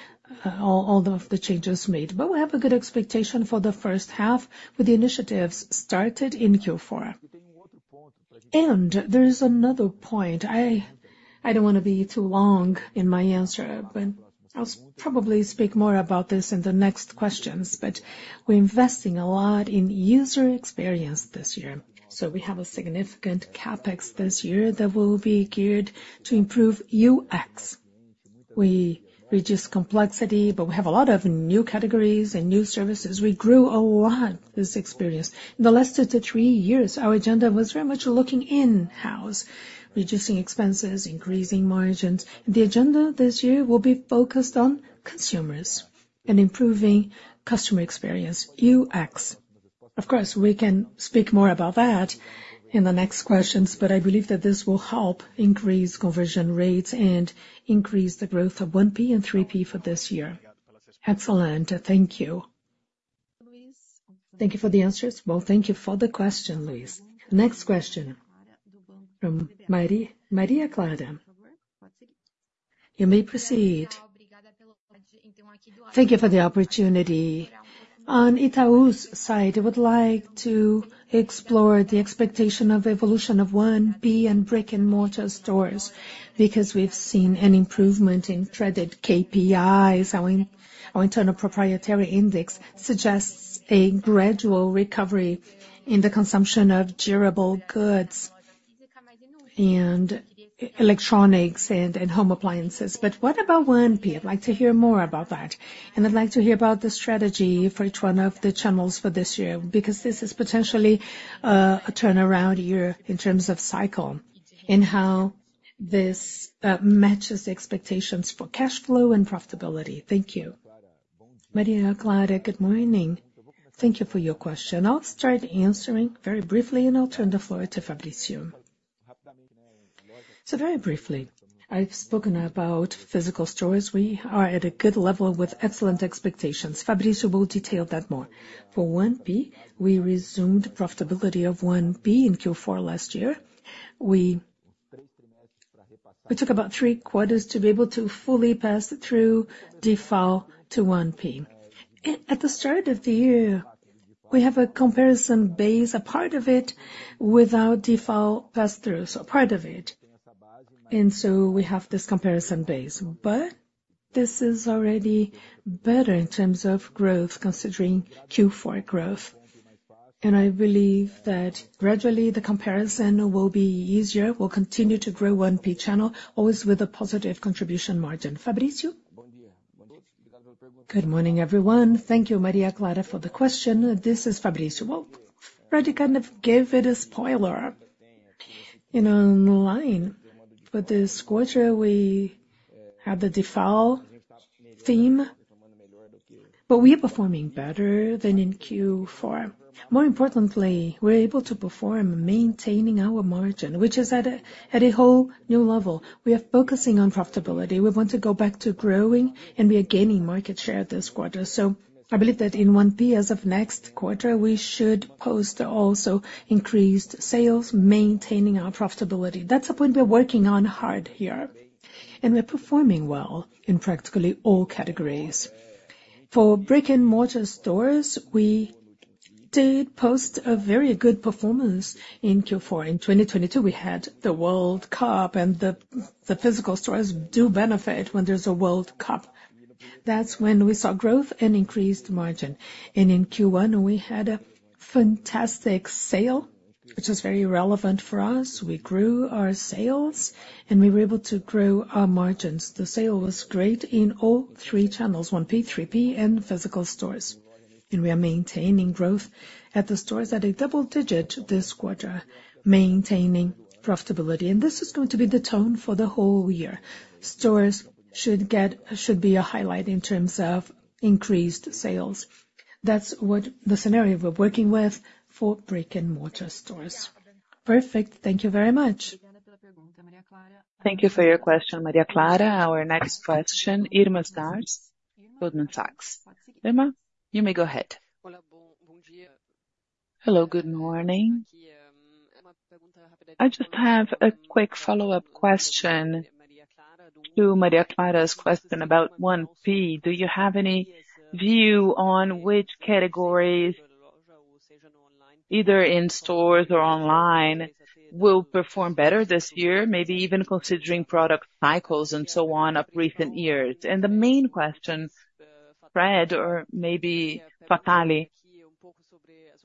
all of the changes made. But we have a good expectation for the first half with the initiatives started in Q4. And there is another point. I don't want to be too long in my answer, but I'll probably speak more about this in the next questions. But we're investing a lot in user experience this year. So we have a significant CapEx this year that will be geared to improve UX. We reduce complexity, but we have a lot of new categories and new services. We grew a lot this experience. In the last two to three years, our agenda was very much looking in-house, reducing expenses, increasing margins. The agenda this year will be focused on consumers and improving customer experience, UX. Of course, we can speak more about that in the next questions, but I believe that this will help increase conversion rates and increase the growth of 1P and 3P for this year. Excellent. Thank you. Thank you for the answers. Well, thank you for the question, Luiz. Next question from Maria Clara. You may proceed. Thank you for the opportunity. On Itaú's side, I would like to explore the expectation of evolution of 1P and brick-and-mortar stores because we've seen an improvement in credit KPIs. Our internal proprietary index suggests a gradual recovery in the consumption of durable goods and electronics and home appliances. But what about 1P? I'd like to hear more about that. I'd like to hear about the strategy for each one of the channels for this year because this is potentially a turnaround year in terms of cycle and how this matches expectations for cash flow and profitability. Thank you. Maria Clara, good morning. Thank you for your question. I'll start answering very briefly, and I'll turn the floor to Fabrício. So very briefly, I've spoken about physical stores. We are at a good level with excellent expectations. Fabrício will detail that more. For 1P, we resumed profitability of 1P in Q4 last year. We took about three quarters to be able to fully pass through DIFAL to 1P. At the start of the year, we have a comparison base, a part of it without DIFAL pass-through, so a part of it. And so we have this comparison base. But this is already better in terms of growth, considering Q4 growth. And I believe that gradually the comparison will be easier. We'll continue to grow 1P channel, always with a positive contribution margin. Fabrício? Good morning, everyone. Thank you, Maria Clara, for the question. This is Fabrício. Well, Fred kind of gave it a spoiler online. For this quarter, we have the DIFAL theme, but we are performing better than in Q4. More importantly, we're able to perform maintaining our margin, which is at a whole new level. We are focusing on profitability. We want to go back to growing and regaining market share this quarter. So I believe that in 1P as of next quarter, we should post also increased sales, maintaining our profitability. That's a point we're working on hard here. And we're performing well in practically all categories. For brick-and-mortar stores, we did post a very good performance in Q4. In 2022, we had the World Cup, and the physical stores do benefit when there's a World Cup. That's when we saw growth and increased margin. In Q1, we had a fantastic sale, which is very relevant for us. We grew our sales, and we were able to grow our margins. The sale was great in all three channels, 1P, 3P, and physical stores. We are maintaining growth at the stores at a double-digit this quarter, maintaining profitability. This is going to be the tone for the whole year. Stores should be a highlight in terms of increased sales. That's the scenario we're working with for brick-and-mortar stores. Perfect. Thank you very much. Thank you for your question, Maria Clara. Our next question, Irma Sgarz, Goldman Sachs. Irma, you may go ahead. Hello. Good morning. I just have a quick follow-up question to Maria Clara's question about 1P. Do you have any view on which categories, either in stores or online, will perform better this year, maybe even considering product cycles and so on of recent years? And the main question, Fred, or maybe Fatala,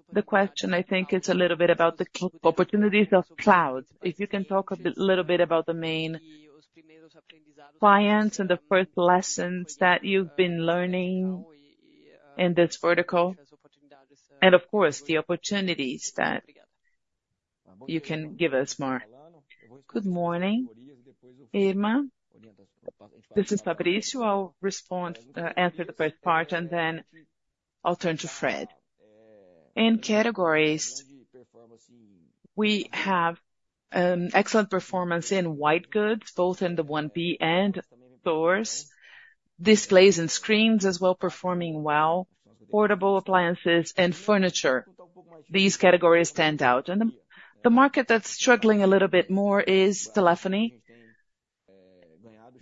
the question, I think, is a little bit about the opportunities of cloud. If you can talk a little bit about the main clients and the first lessons that you've been learning in this vertical, and of course, the opportunities that you can give us more. Good morning, Irma. This is Fabrício. I'll answer the first part, and then I'll turn to Fred. In categories, we have excellent performance in white goods, both in the 1P and stores, displays and screens as well performing well, portable appliances, and furniture. These categories stand out. The market that's struggling a little bit more is telephony.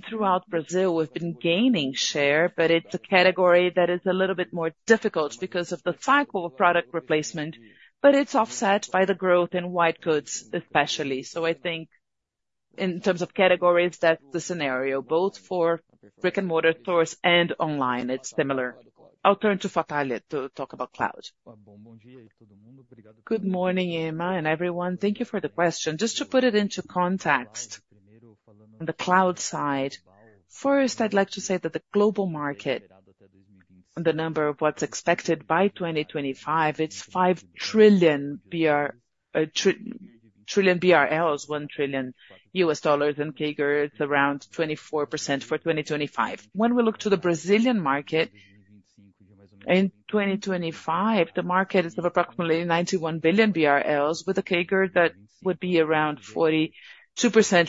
Throughout Brazil, we've been gaining share, but it's a category that is a little bit more difficult because of the cycle of product replacement. But it's offset by the growth in white goods, especially. So I think in terms of categories, that's the scenario, both for brick-and-mortar stores and online. It's similar. I'll turn to Fatala to talk about cloud. Good morning, Irma, and everyone. Thank you for the question. Just to put it into context on the cloud side, first, I'd like to say that the global market, on the number of what's expected by 2025, it's 5 trillion, $1 trillion, and CAGR, it's around 24% for 2025. When we look to the Brazilian market, in 2025, the market is of approximately 91 billion BRL, with a CAGR that would be around 42%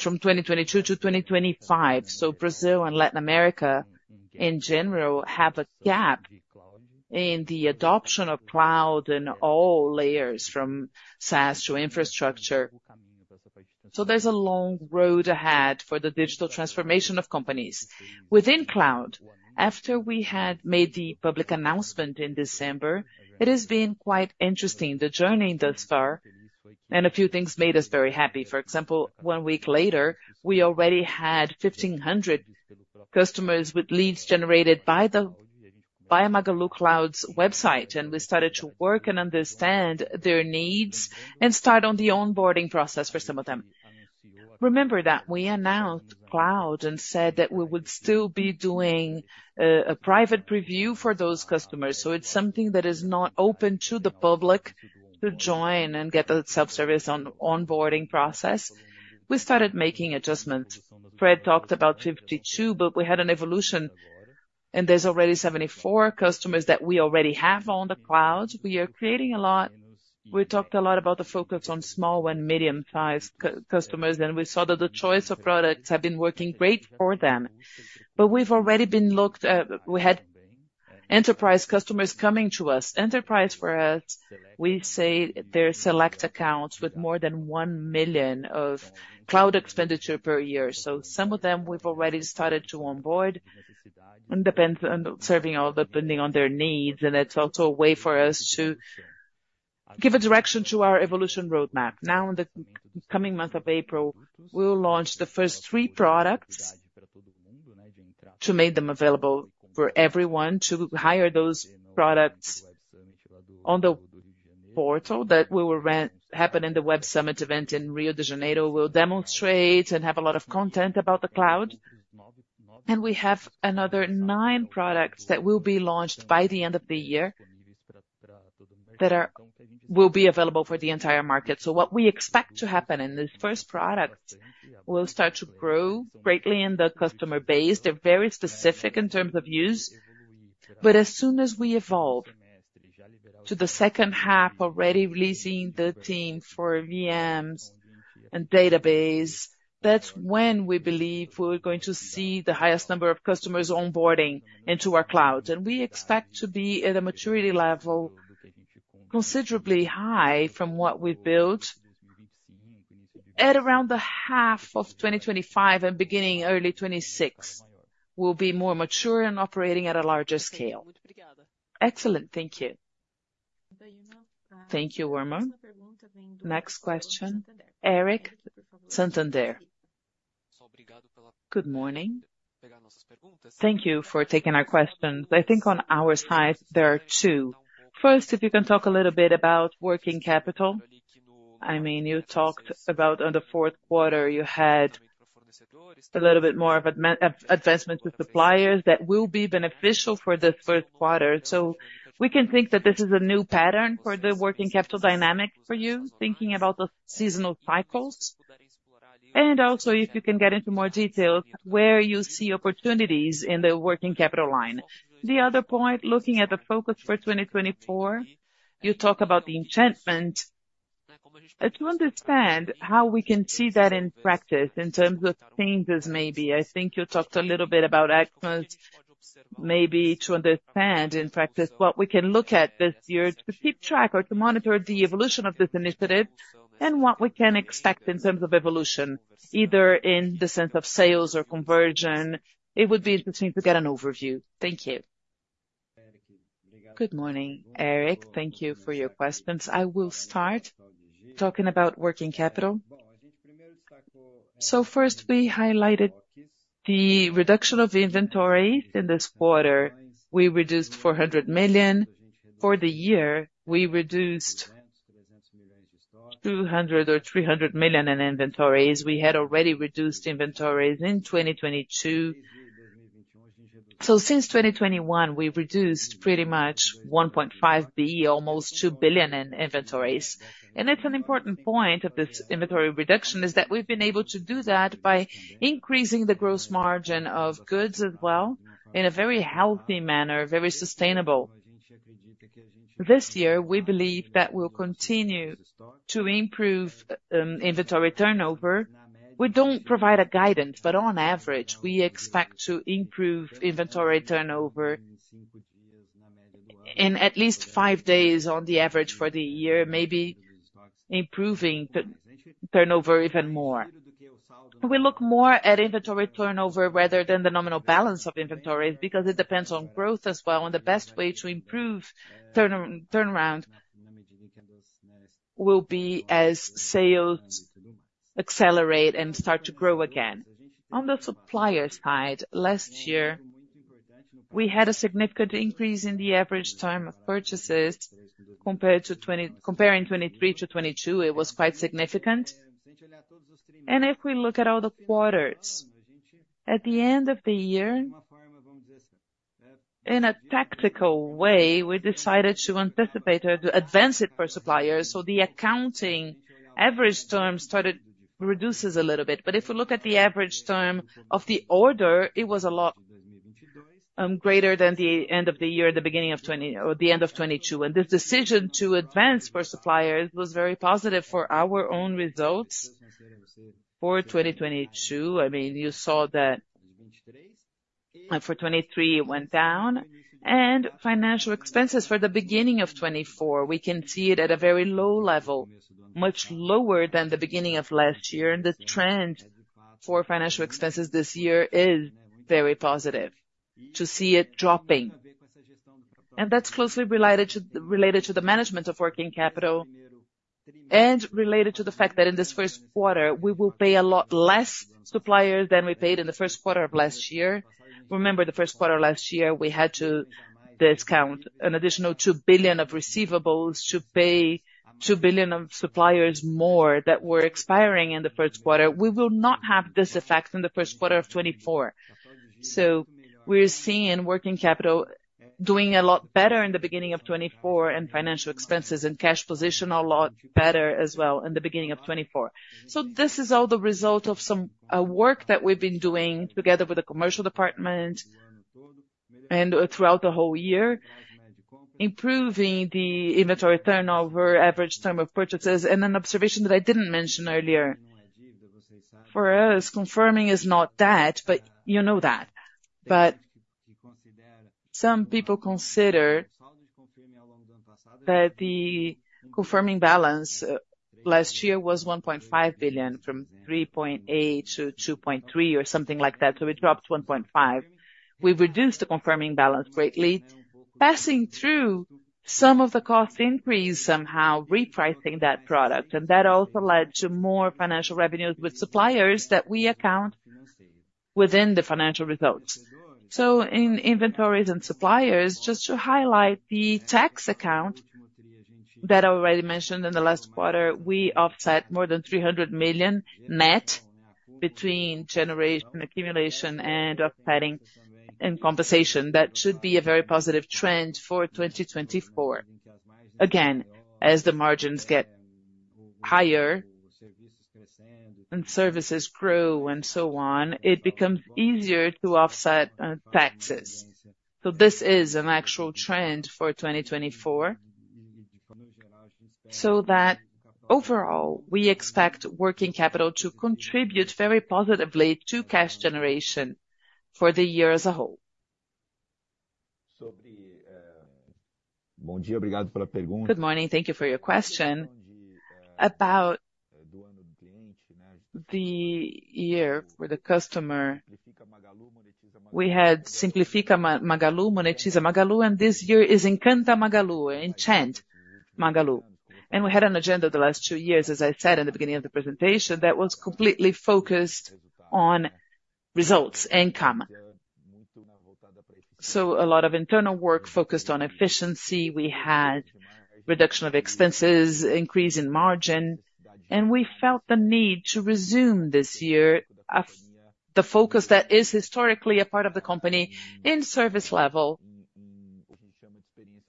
from 2022 to 2025. So Brazil and Latin America, in general, have a gap in the adoption of cloud in all layers, from SaaS to infrastructure. So there's a long road ahead for the digital transformation of companies. Within cloud, after we had made the public announcement in December, it has been quite interesting, the journey thus far. And a few things made us very happy. For example, one week later, we already had 1,500 customers with leads generated by Magalu Cloud's website, and we started to work and understand their needs and start on the onboarding process for some of them. Remember that we announced cloud and said that we would still be doing a private preview for those customers. So it's something that is not open to the public to join and get the self-service onboarding process. We started making adjustments. Fred talked about 52, but we had an evolution, and there's already 74 customers that we already have on the cloud. We are creating a lot. We talked a lot about the focus on small and medium-sized customers, and we saw that the choice of products have been working great for them. But we've already been looked at. We had enterprise customers coming to us. Enterprise for us, we say they're select accounts with more than 1 million of cloud expenditure per year. So some of them we've already started to onboard. It depends on serving all depending on their needs, and it's also a way for us to give a direction to our evolution roadmap. Now, in the coming month of April, we'll launch the first three products to make them available for everyone, to hire those products on the portal that will happen in the Web Summit event in Rio de Janeiro. We'll demonstrate and have a lot of content about the cloud. We have another nine products that will be launched by the end of the year that will be available for the entire market. What we expect to happen in these first products will start to grow greatly in the customer base. They're very specific in terms of use. As soon as we evolve to the second half, already releasing the team for VMs and database, that's when we believe we're going to see the highest number of customers onboarding into our cloud. We expect to be at a maturity level considerably high from what we built. At around the half of 2025 and beginning early 2026, we'll be more mature and operating at a larger scale. Excellent. Thank you. Thank you, Irma. Next question. Eric Huang. Good morning. Thank you for taking our questions. I think on our side, there are two. First, if you can talk a little bit about working capital. I mean, you talked about on the fourth quarter, you had a little bit more of advancement to suppliers that will be beneficial for this first quarter. So we can think that this is a new pattern for the working capital dynamic for you, thinking about the seasonal cycles. And also, if you can get into more details, where you see opportunities in the working capital line. The other point, looking at the focus for 2024, you talk about the enchantment. To understand how we can see that in practice, in terms of changes maybe, I think you talked a little bit about actions, maybe to understand in practice what we can look at this year to keep track or to monitor the evolution of this initiative and what we can expect in terms of evolution, either in the sense of sales or conversion. It would be interesting to get an overview. Thank you. Good morning, Eric. Thank you for your questions. I will start talking about working capital. So first, we highlighted the reduction of inventories in this quarter. We reduced 400 million. For the year, we reduced 200 million or 300 million in inventories. We had already reduced inventories in 2022. So since 2021, we reduced pretty much 1.5 billion, almost 2 billion in inventories. And it's an important point of this inventory reduction is that we've been able to do that by increasing the gross margin of goods as well in a very healthy manner, very sustainable. This year, we believe that we'll continue to improve inventory turnover. We don't provide a guidance, but on average, we expect to improve inventory turnover in at least five days on the average for the year, maybe improving turnover even more. We look more at inventory turnover rather than the nominal balance of inventories because it depends on growth as well. And the best way to improve turnaround will be as sales accelerate and start to grow again. On the supplier side, last year, we had a significant increase in the average time of purchases. Comparing 2023 to 2022, it was quite significant. If we look at all the quarters, at the end of the year, in a tactical way, we decided to anticipate or to advance it for suppliers. So the accounting average term started to reduce a little bit. But if we look at the average term of the order, it was a lot greater than the end of the year, the beginning of the end of 2022. And this decision to advance for suppliers was very positive for our own results for 2022. I mean, you saw that for 2023, it went down. And financial expenses for the beginning of 2024, we can see it at a very low level, much lower than the beginning of last year. And the trend for financial expenses this year is very positive to see it dropping. That's closely related to the management of working capital and related to the fact that in this first quarter, we will pay a lot less suppliers than we paid in the first quarter of last year. Remember, the first quarter of last year, we had to discount an additional 2 billion of receivables to pay 2 billion of suppliers more that were expiring in the first quarter. We will not have this effect in the first quarter of 2024. So we're seeing working capital doing a lot better in the beginning of 2024 and financial expenses and cash position a lot better as well in the beginning of 2024. So this is all the result of some work that we've been doing together with the commercial department and throughout the whole year, improving the inventory turnover, average term of purchases. An observation that I didn't mention earlier for us, confirming is not that, but you know that. But some people consider that the confirming balance last year was 1.5 billion, from 3.8 billion-2.3 billion or something like that. So it dropped 1.5 billion. We reduced the confirming balance greatly, passing through some of the cost increase somehow, repricing that product. And that also led to more financial revenues with suppliers that we account within the financial results. So in inventories and suppliers, just to highlight the tax account that I already mentioned in the last quarter, we offset more than 300 million net between generation, accumulation, and offsetting and compensation. That should be a very positive trend for 2024. Again, as the margins get higher and services grow and so on, it becomes easier to offset taxes. So this is an actual trend for 2024. So that overall, we expect working capital to contribute very positively to cash generation for the year as a whole. Good morning. Thank you for your question about the year for the customer. We had Simplifica Magalu, Monetiza Magalu, and this year is Encanta Magalu, Enchant Magalu. And we had an agenda the last two years, as I said in the beginning of the presentation, that was completely focused on results, income. So a lot of internal work focused on efficiency. We had reduction of expenses, increase in margin, and we felt the need to resume this year the focus that is historically a part of the company in service level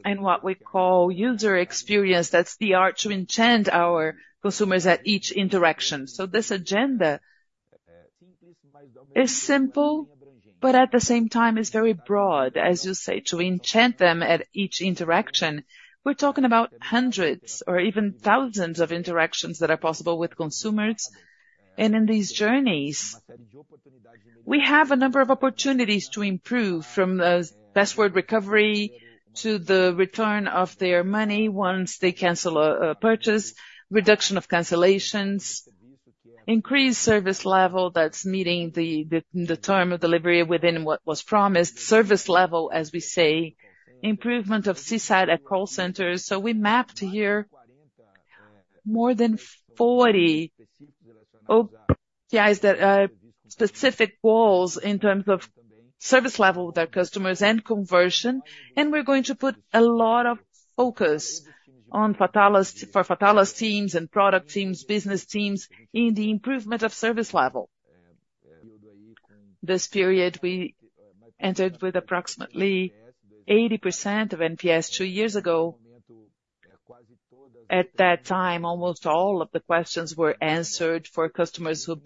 and what we call user experience. That's the art to enchant our consumers at each interaction. So this agenda is simple, but at the same time, is very broad, as you say, to enchant them at each interaction. We're talking about hundreds or even thousands of interactions that are possible with consumers. In these journeys, we have a number of opportunities to improve, from password recovery to the return of their money once they cancel a purchase, reduction of cancellations, increased service level that's meeting the term of delivery within what was promised, service level, as we say, improvement of SLAs at call centers. We mapped here more than 40 OPIs that are specific goals in terms of service level with our customers and conversion. We're going to put a lot of focus on Fatala's teams and product teams, business teams, in the improvement of service level. This period, we entered with approximately 80% NPS two years ago. At that time, almost all of the questions were answered for customers who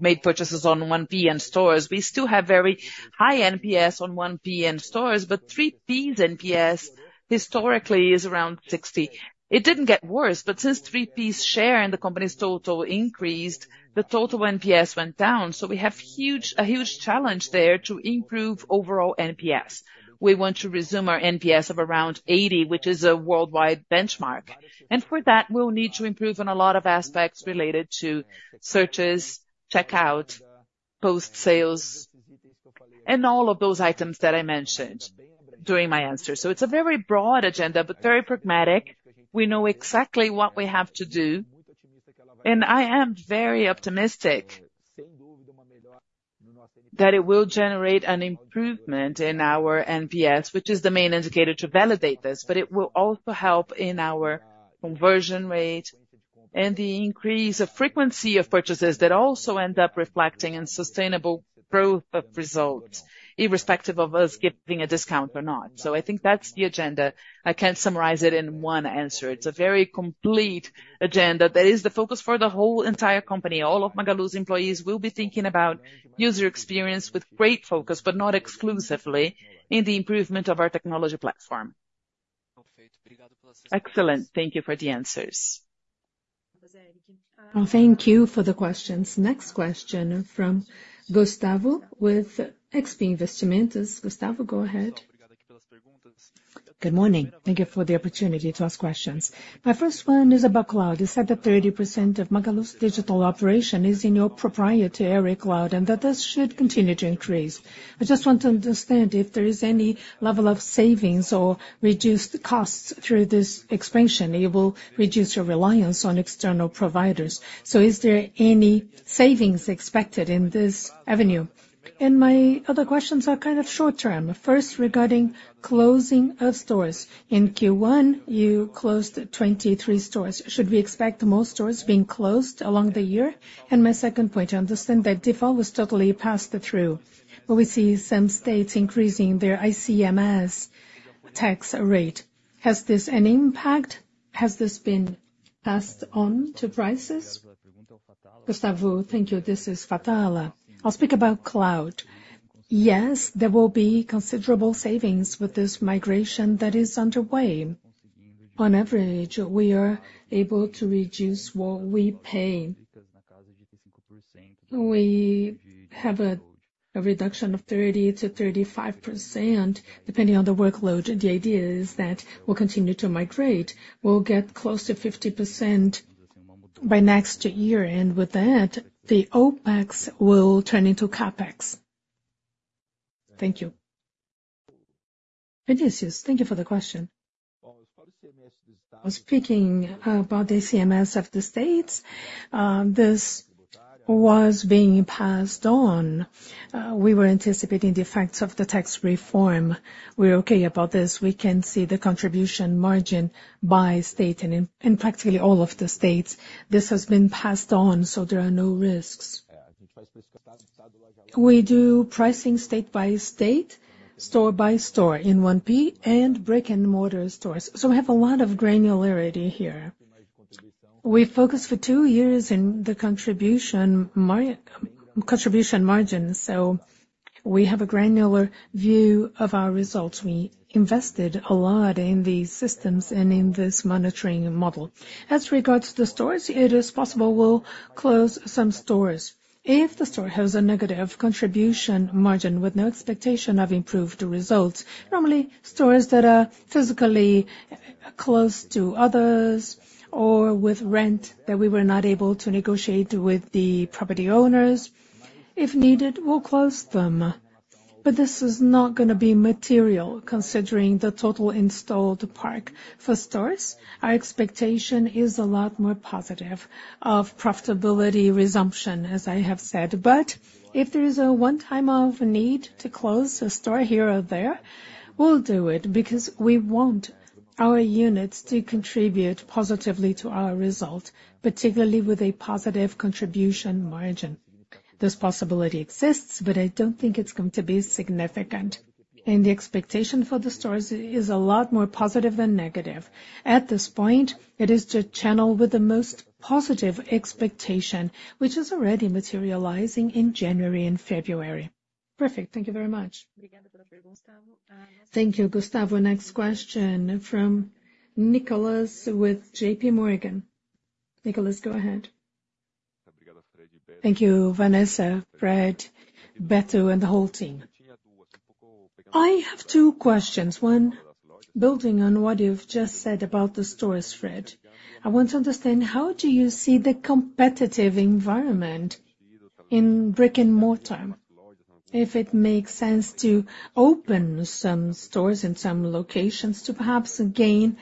made purchases on 1P and stores. We still have very high NPS on 1P and stores, but 3P's NPS historically is around 60. It didn't get worse, but since 3P's share in the company's total increased, the total NPS went down. So we have a huge challenge there to improve overall NPS. We want to resume our NPS of around 80, which is a worldwide benchmark. And for that, we'll need to improve on a lot of aspects related to searches, checkout, post-sales, and all of those items that I mentioned during my answer. So it's a very broad agenda, but very pragmatic. We know exactly what we have to do. And I am very optimistic that it will generate an improvement in our NPS, which is the main indicator to validate this. But it will also help in our conversion rate and the increase of frequency of purchases that also end up reflecting in sustainable growth of results, irrespective of us giving a discount or not. So I think that's the agenda. I can't summarize it in one answer. It's a very complete agenda that is the focus for the whole entire company. All of Magalu's employees will be thinking about user experience with great focus, but not exclusively, in the improvement of our technology platform. Excellent. Thank you for the answers. Thank you for the questions. Next question from Gustavo with XP Investimentos. Gustavo, go ahead. Good morning. Thank you for the opportunity to ask questions. My first one is about cloud. You said that 30% of Magalu Digital operation is in your proprietary cloud and that this should continue to increase. I just want to understand if there is any level of savings or reduced costs through this expansion. It will reduce your reliance on external providers. So is there any savings expected in this avenue? And my other questions are kind of short-term. First, regarding closing of stores. In Q1, you closed 23 stores. Should we expect most stores being closed along the year? And my second point, I understand that DIFAL was totally passed through, but we see some states increasing their ICMS tax rate. Has this an impact? Has this been passed on to prices? Gustavo, thank you. This is Fatala. I'll speak about cloud. Yes, there will be considerable savings with this migration that is underway. On average, we are able to reduce what we pay. We have a reduction of 30%-35% depending on the workload. The idea is that we'll continue to migrate. We'll get close to 50% by next year. And with that, the OpEx will turn into CapEx. Thank you. Vinicius, thank you for the question. I was speaking about the ICMS of the states. This was being passed on. We were anticipating the effects of the tax reform. We're okay about this. We can see the contribution margin by state and in practically all of the states. This has been passed on, so there are no risks. We do pricing state by state, store by store in 1P, and brick-and-mortar stores. So we have a lot of granularity here. We focused for two years in the contribution margin, so we have a granular view of our results. We invested a lot in these systems and in this monitoring model. As regards to the stores, it is possible we'll close some stores. If the store has a negative contribution margin with no expectation of improved results, normally stores that are physically close to others or with rent that we were not able to negotiate with the property owners, if needed, we'll close them. But this is not going to be material considering the total installed park. For stores, our expectation is a lot more positive of profitability resumption, as I have said. But if there is a one-time need to close a store here or there, we'll do it because we want our units to contribute positively to our result, particularly with a positive contribution margin. This possibility exists, but I don't think it's going to be significant. The expectation for the stores is a lot more positive than negative. At this point, it is to channel with the most positive expectation, which is already materializing in January and February. Perfect. Thank you very much. Thank you, Gustavo. Next question from Nicolas with J.P. Morgan. Nicolas, go ahead. Thank you, Vanessa, Fred, Beto, and the whole team. I have two questions. One, building on what you've just said about the stores, Fred, I want to understand how do you see the competitive environment in brick-and-mortar, if it makes sense to open some stores in some locations to perhaps gain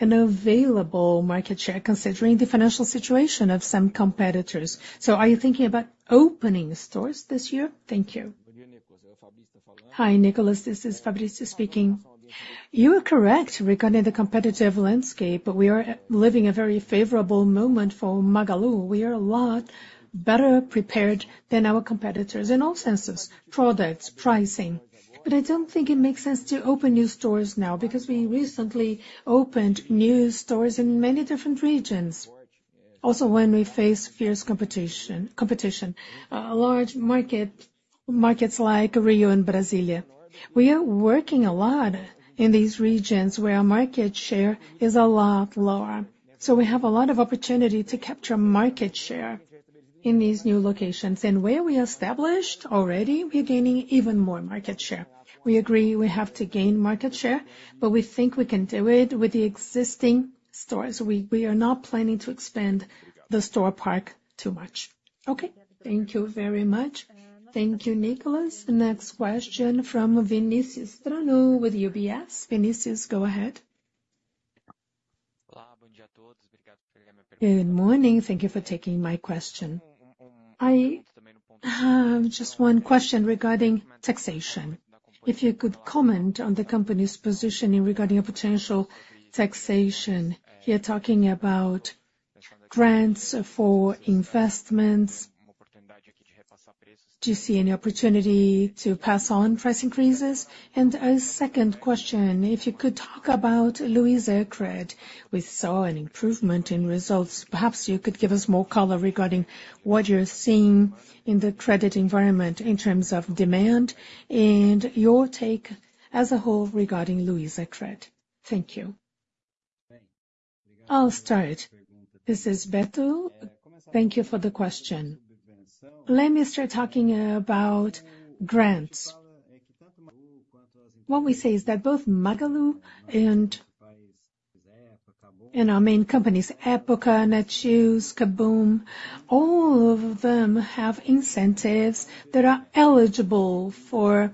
an available market share considering the financial situation of some competitors? So are you thinking about opening stores this year? Thank you. Hi, Nicolas. This is Fabrício speaking. You are correct regarding the competitive landscape, but we are living a very favorable moment for Magalu. We are a lot better prepared than our competitors in all senses, products, pricing. But I don't think it makes sense to open new stores now because we recently opened new stores in many different regions, also when we face fierce competition, large markets like Rio and Brasília. We are working a lot in these regions where our market share is a lot lower. So we have a lot of opportunity to capture market share in these new locations. And where we established already, we're gaining even more market share. We agree we have to gain market share, but we think we can do it with the existing stores. We are not planning to expand the store park too much. Okay. Thank you very much. Thank you, Nicolas. Next question from Vinícius Strano with UBS. Vinícius, go ahead. Good morning. Thank you for taking my question. Just one question regarding taxation. If you could comment on the company's positioning regarding a potential taxation. You're talking about grants for investments. Do you see any opportunity to pass on price increases? And a second question, if you could talk about Luizacred. We saw an improvement in results. Perhaps you could give us more color regarding what you're seeing in the credit environment in terms of demand and your take as a whole regarding Luizacred. Thank you. I'll start. This is Beto. Thank you for the question. Let me start talking about grants. What we say is that both Magalu and our main companies, Época, Netshoes, KaBuM!, all of them have incentives that are eligible for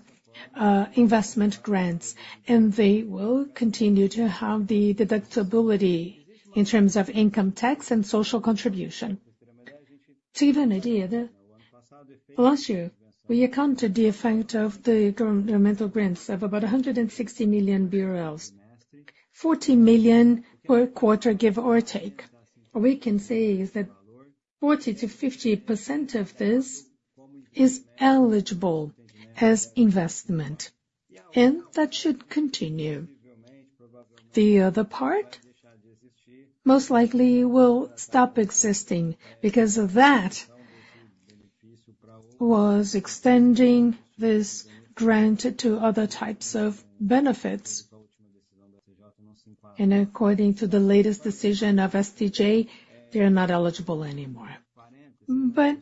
investment grants, and they will continue to have the deductibility in terms of income tax and social contribution. To give you an idea, last year, we accounted the effect of the governmental grants of about 160 million BRL, 40 million per quarter give or take. What we can say is that 40%-50% of this is eligible as investment, and that should continue. The other part most likely will stop existing because that was extending this grant to other types of benefits. According to the latest decision of STJ, they are not eligible anymore. But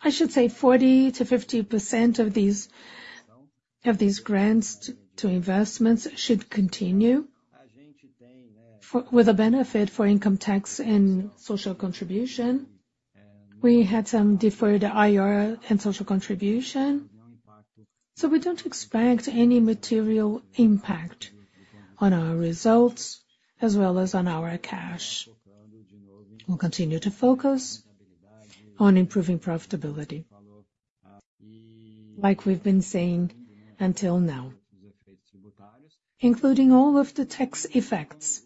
I should say 40%-50% of these grants to investments should continue with a benefit for income tax and social contribution. We had some deferred IR and social contribution, so we don't expect any material impact on our results as well as on our cash. We'll continue to focus on improving profitability, like we've been saying until now, including all of the tax effects.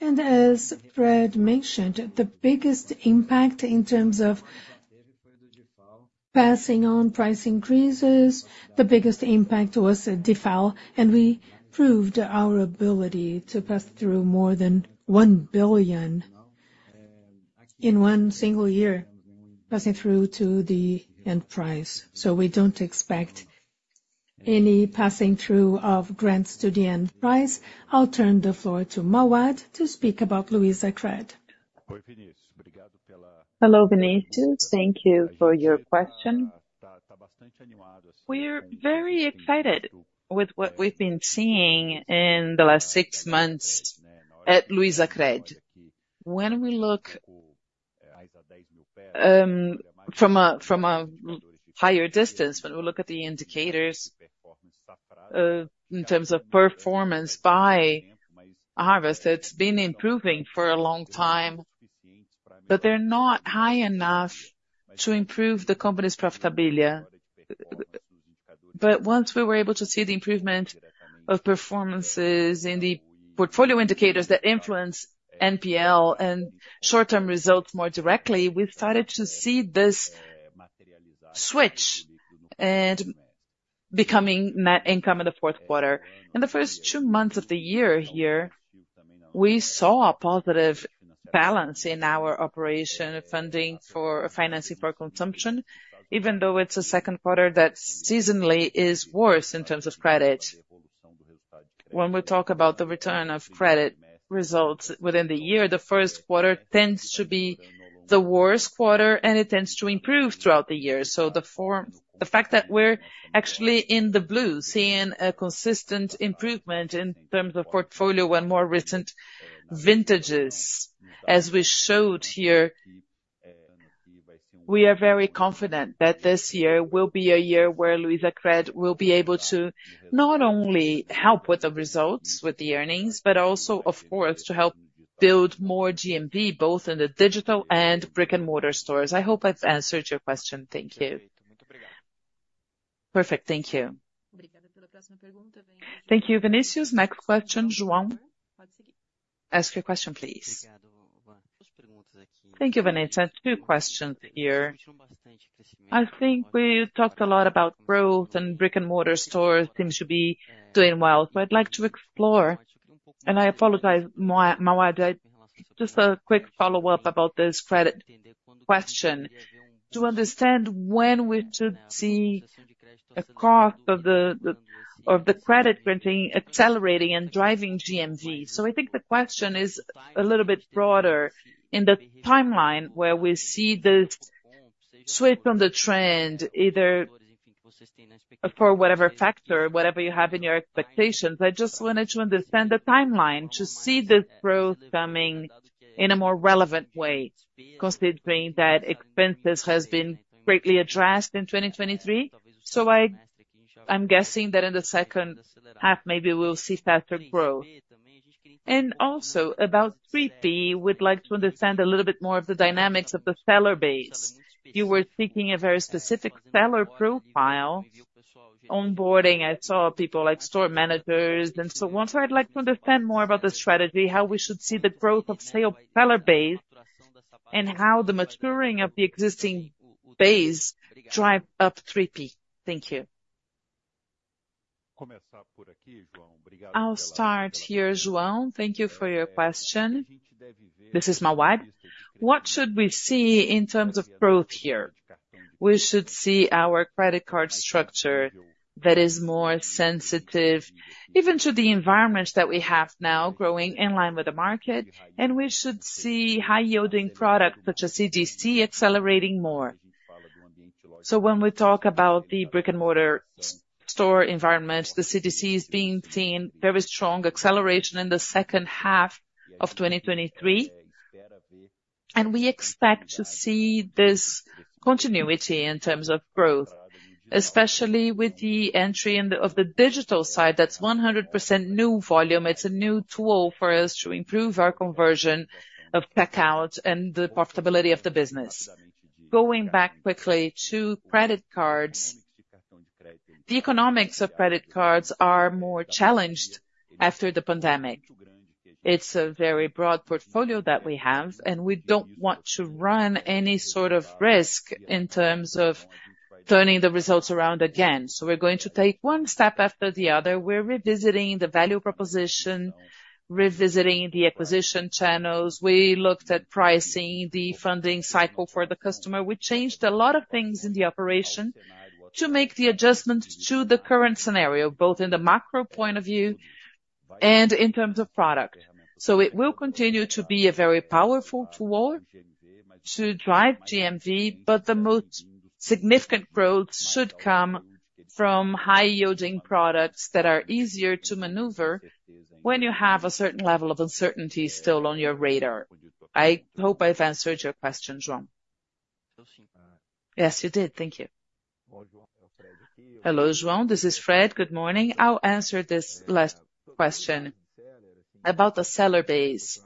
As Fred mentioned, the biggest impact in terms of passing on price increases, the biggest impact was DIFAL, and we proved our ability to pass through more than 1 billion in one single year, passing through to the end price. So we don't expect any passing through of grants to the end price. I'll turn the floor to Mauad to speak about Luizacred. Hello, Vinícius. Thank you for your question. We're very excited with what we've been seeing in the last six months at Luizacred. When we look from a higher distance, when we look at the indicators in terms of performance by harvest, it's been improving for a long time, but they're not high enough to improve the company's profitability. But once we were able to see the improvement of performances in the portfolio indicators that influence NPL and short-term results more directly, we started to see this switch and becoming net income in the fourth quarter. In the first two months of the year here, we saw a positive balance in our operation financing for consumption, even though it's a second quarter that seasonally is worse in terms of credit. When we talk about the return of credit results within the year, the first quarter tends to be the worst quarter, and it tends to improve throughout the year. So the fact that we're actually in the blue seeing a consistent improvement in terms of portfolio and more recent vintages, as we showed here, we are very confident that this year will be a year where Luizacred will be able to not only help with the results, with the earnings, but also, of course, to help build more GMV, both in the digital and brick-and-mortar stores. I hope I've answered your question. Thank you. Perfect. Thank you. Thank you, Vinícius. Next question, João. Ask your question, please. Thank you, Vanessa. Two questions here. I think we talked a lot about growth, and brick-and-mortar stores seem to be doing well. So I'd like to explore, and I apologize, Mauad, just a quick follow-up about this credit question. To understand when we should see the cost of the credit granting accelerating and driving GMV. So I think the question is a little bit broader in the timeline where we see this switch on the trend, either for whatever factor, whatever you have in your expectations. I just wanted to understand the timeline to see this growth coming in a more relevant way, considering that expenses have been greatly addressed in 2023. So I'm guessing that in the second half, maybe we'll see faster growth. And also, about 3P, we'd like to understand a little bit more of the dynamics of the seller base. You were seeking a very specific seller profile, onboarding. I saw people like store managers. And so, I'd like to understand more about the strategy, how we should see the growth of seller base and how the maturing of the existing base drive up 3P. Thank you. I'll start here, João. Thank you for your question. This is Mauad. What should we see in terms of growth here? We should see our credit card structure that is more sensitive even to the environment that we have now growing in line with the market, and we should see high-yielding products such as CDC accelerating more. So when we talk about the brick-and-mortar store environment, the CDC is being seen very strong acceleration in the second half of 2023, and we expect to see this continuity in terms of growth, especially with the entry of the digital side. That's 100% new volume. It's a new tool for us to improve our conversion of checkout and the profitability of the business. Going back quickly to credit cards, the economics of credit cards are more challenged after the pandemic. It's a very broad portfolio that we have, and we don't want to run any sort of risk in terms of turning the results around again. So we're going to take one step after the other. We're revisiting the value proposition, revisiting the acquisition channels. We looked at pricing, the funding cycle for the customer. We changed a lot of things in the operation to make the adjustments to the current scenario, both in the macro point of view and in terms of product. So it will continue to be a very powerful tool to drive GMV, but the most significant growth should come from high-yielding products that are easier to maneuver when you have a certain level of uncertainty still on your radar. I hope I've answered your question, João. Yes, you did. Thank you. Hello, João. This is Fred. Good morning. I'll answer this last question about the seller base.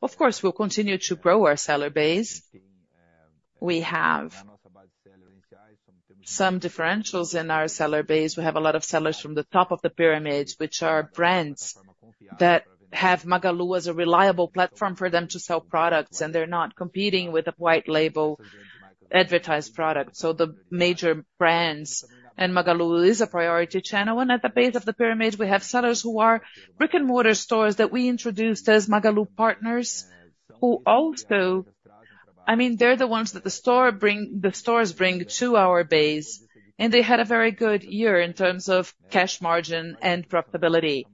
Of course, we'll continue to grow our seller base. We have some differentials in our seller base. We have a lot of sellers from the top of the pyramid, which are brands that have Magalu as a reliable platform for them to sell products, and they're not competing with a white-label advertised product. So the major brands and Magalu is a priority channel. And at the base of the pyramid, we have sellers who are brick-and-mortar stores that we introduced as Magalu partners who also I mean, they're the ones that the stores bring to our base, and they had a very good year in terms of cash margin and profitability.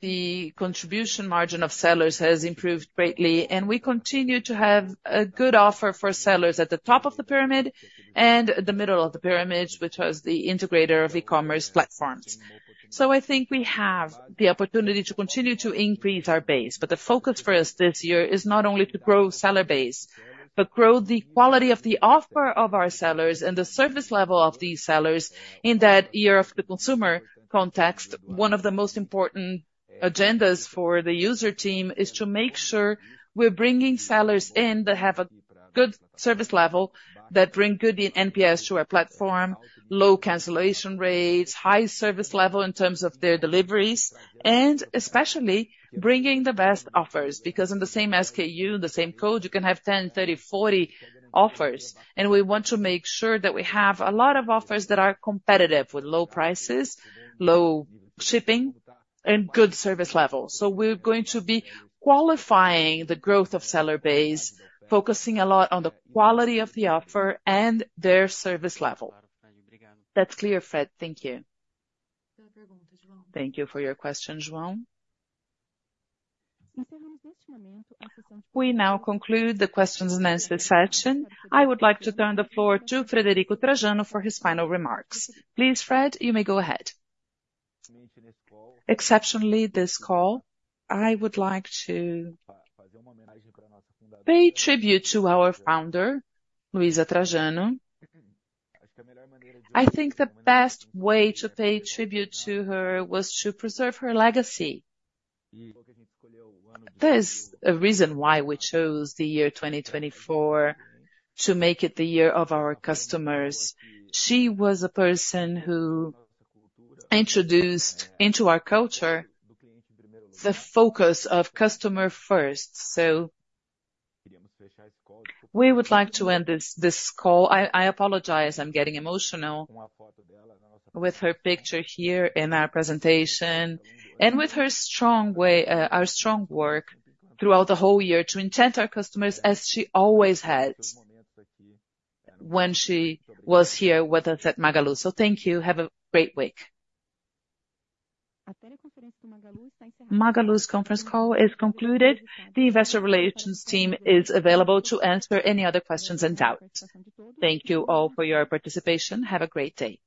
The contribution margin of sellers has improved greatly, and we continue to have a good offer for sellers at the top of the pyramid and the middle of the pyramid, which was the integrator of e-commerce platforms. So I think we have the opportunity to continue to increase our base. But the focus for us this year is not only to grow seller base but grow the quality of the offer of our sellers and the service level of these sellers in that year of the consumer context. One of the most important agendas for the user team is to make sure we're bringing sellers in that have a good service level, that bring good NPS to our platform, low cancellation rates, high service level in terms of their deliveries, and especially bringing the best offers. Because in the same SKU, in the same code, you can have 10, 30, 40 offers. And we want to make sure that we have a lot of offers that are competitive with low prices, low shipping, and good service level. So we're going to be qualifying the growth of seller base, focusing a lot on the quality of the offer and their service level. That's clear, Fred. Thank you. Thank you for your question, João. We now conclude the questions and answers section. I would like to turn the floor to Frederico Trajano for his final remarks. Please, Fred, you may go ahead. Exceptionally, this call, I would like to pay tribute to our founder, Luiza Trajano. I think the best way to pay tribute to her was to preserve her legacy. That is a reason why we chose the year 2024 to make it the year of our customers. She was a person who introduced into our culture the focus of customer first. So we would like to end this call. I apologize. I'm getting emotional with her picture here in our presentation and with our strong work throughout the whole year to enchant our customers as she always had when she was here with us at Magalu. So thank you. Have a great week. Magalu's conference call is concluded. The investor relations team is available to answer any other questions and doubts. Thank you all for your participation. Have a great day.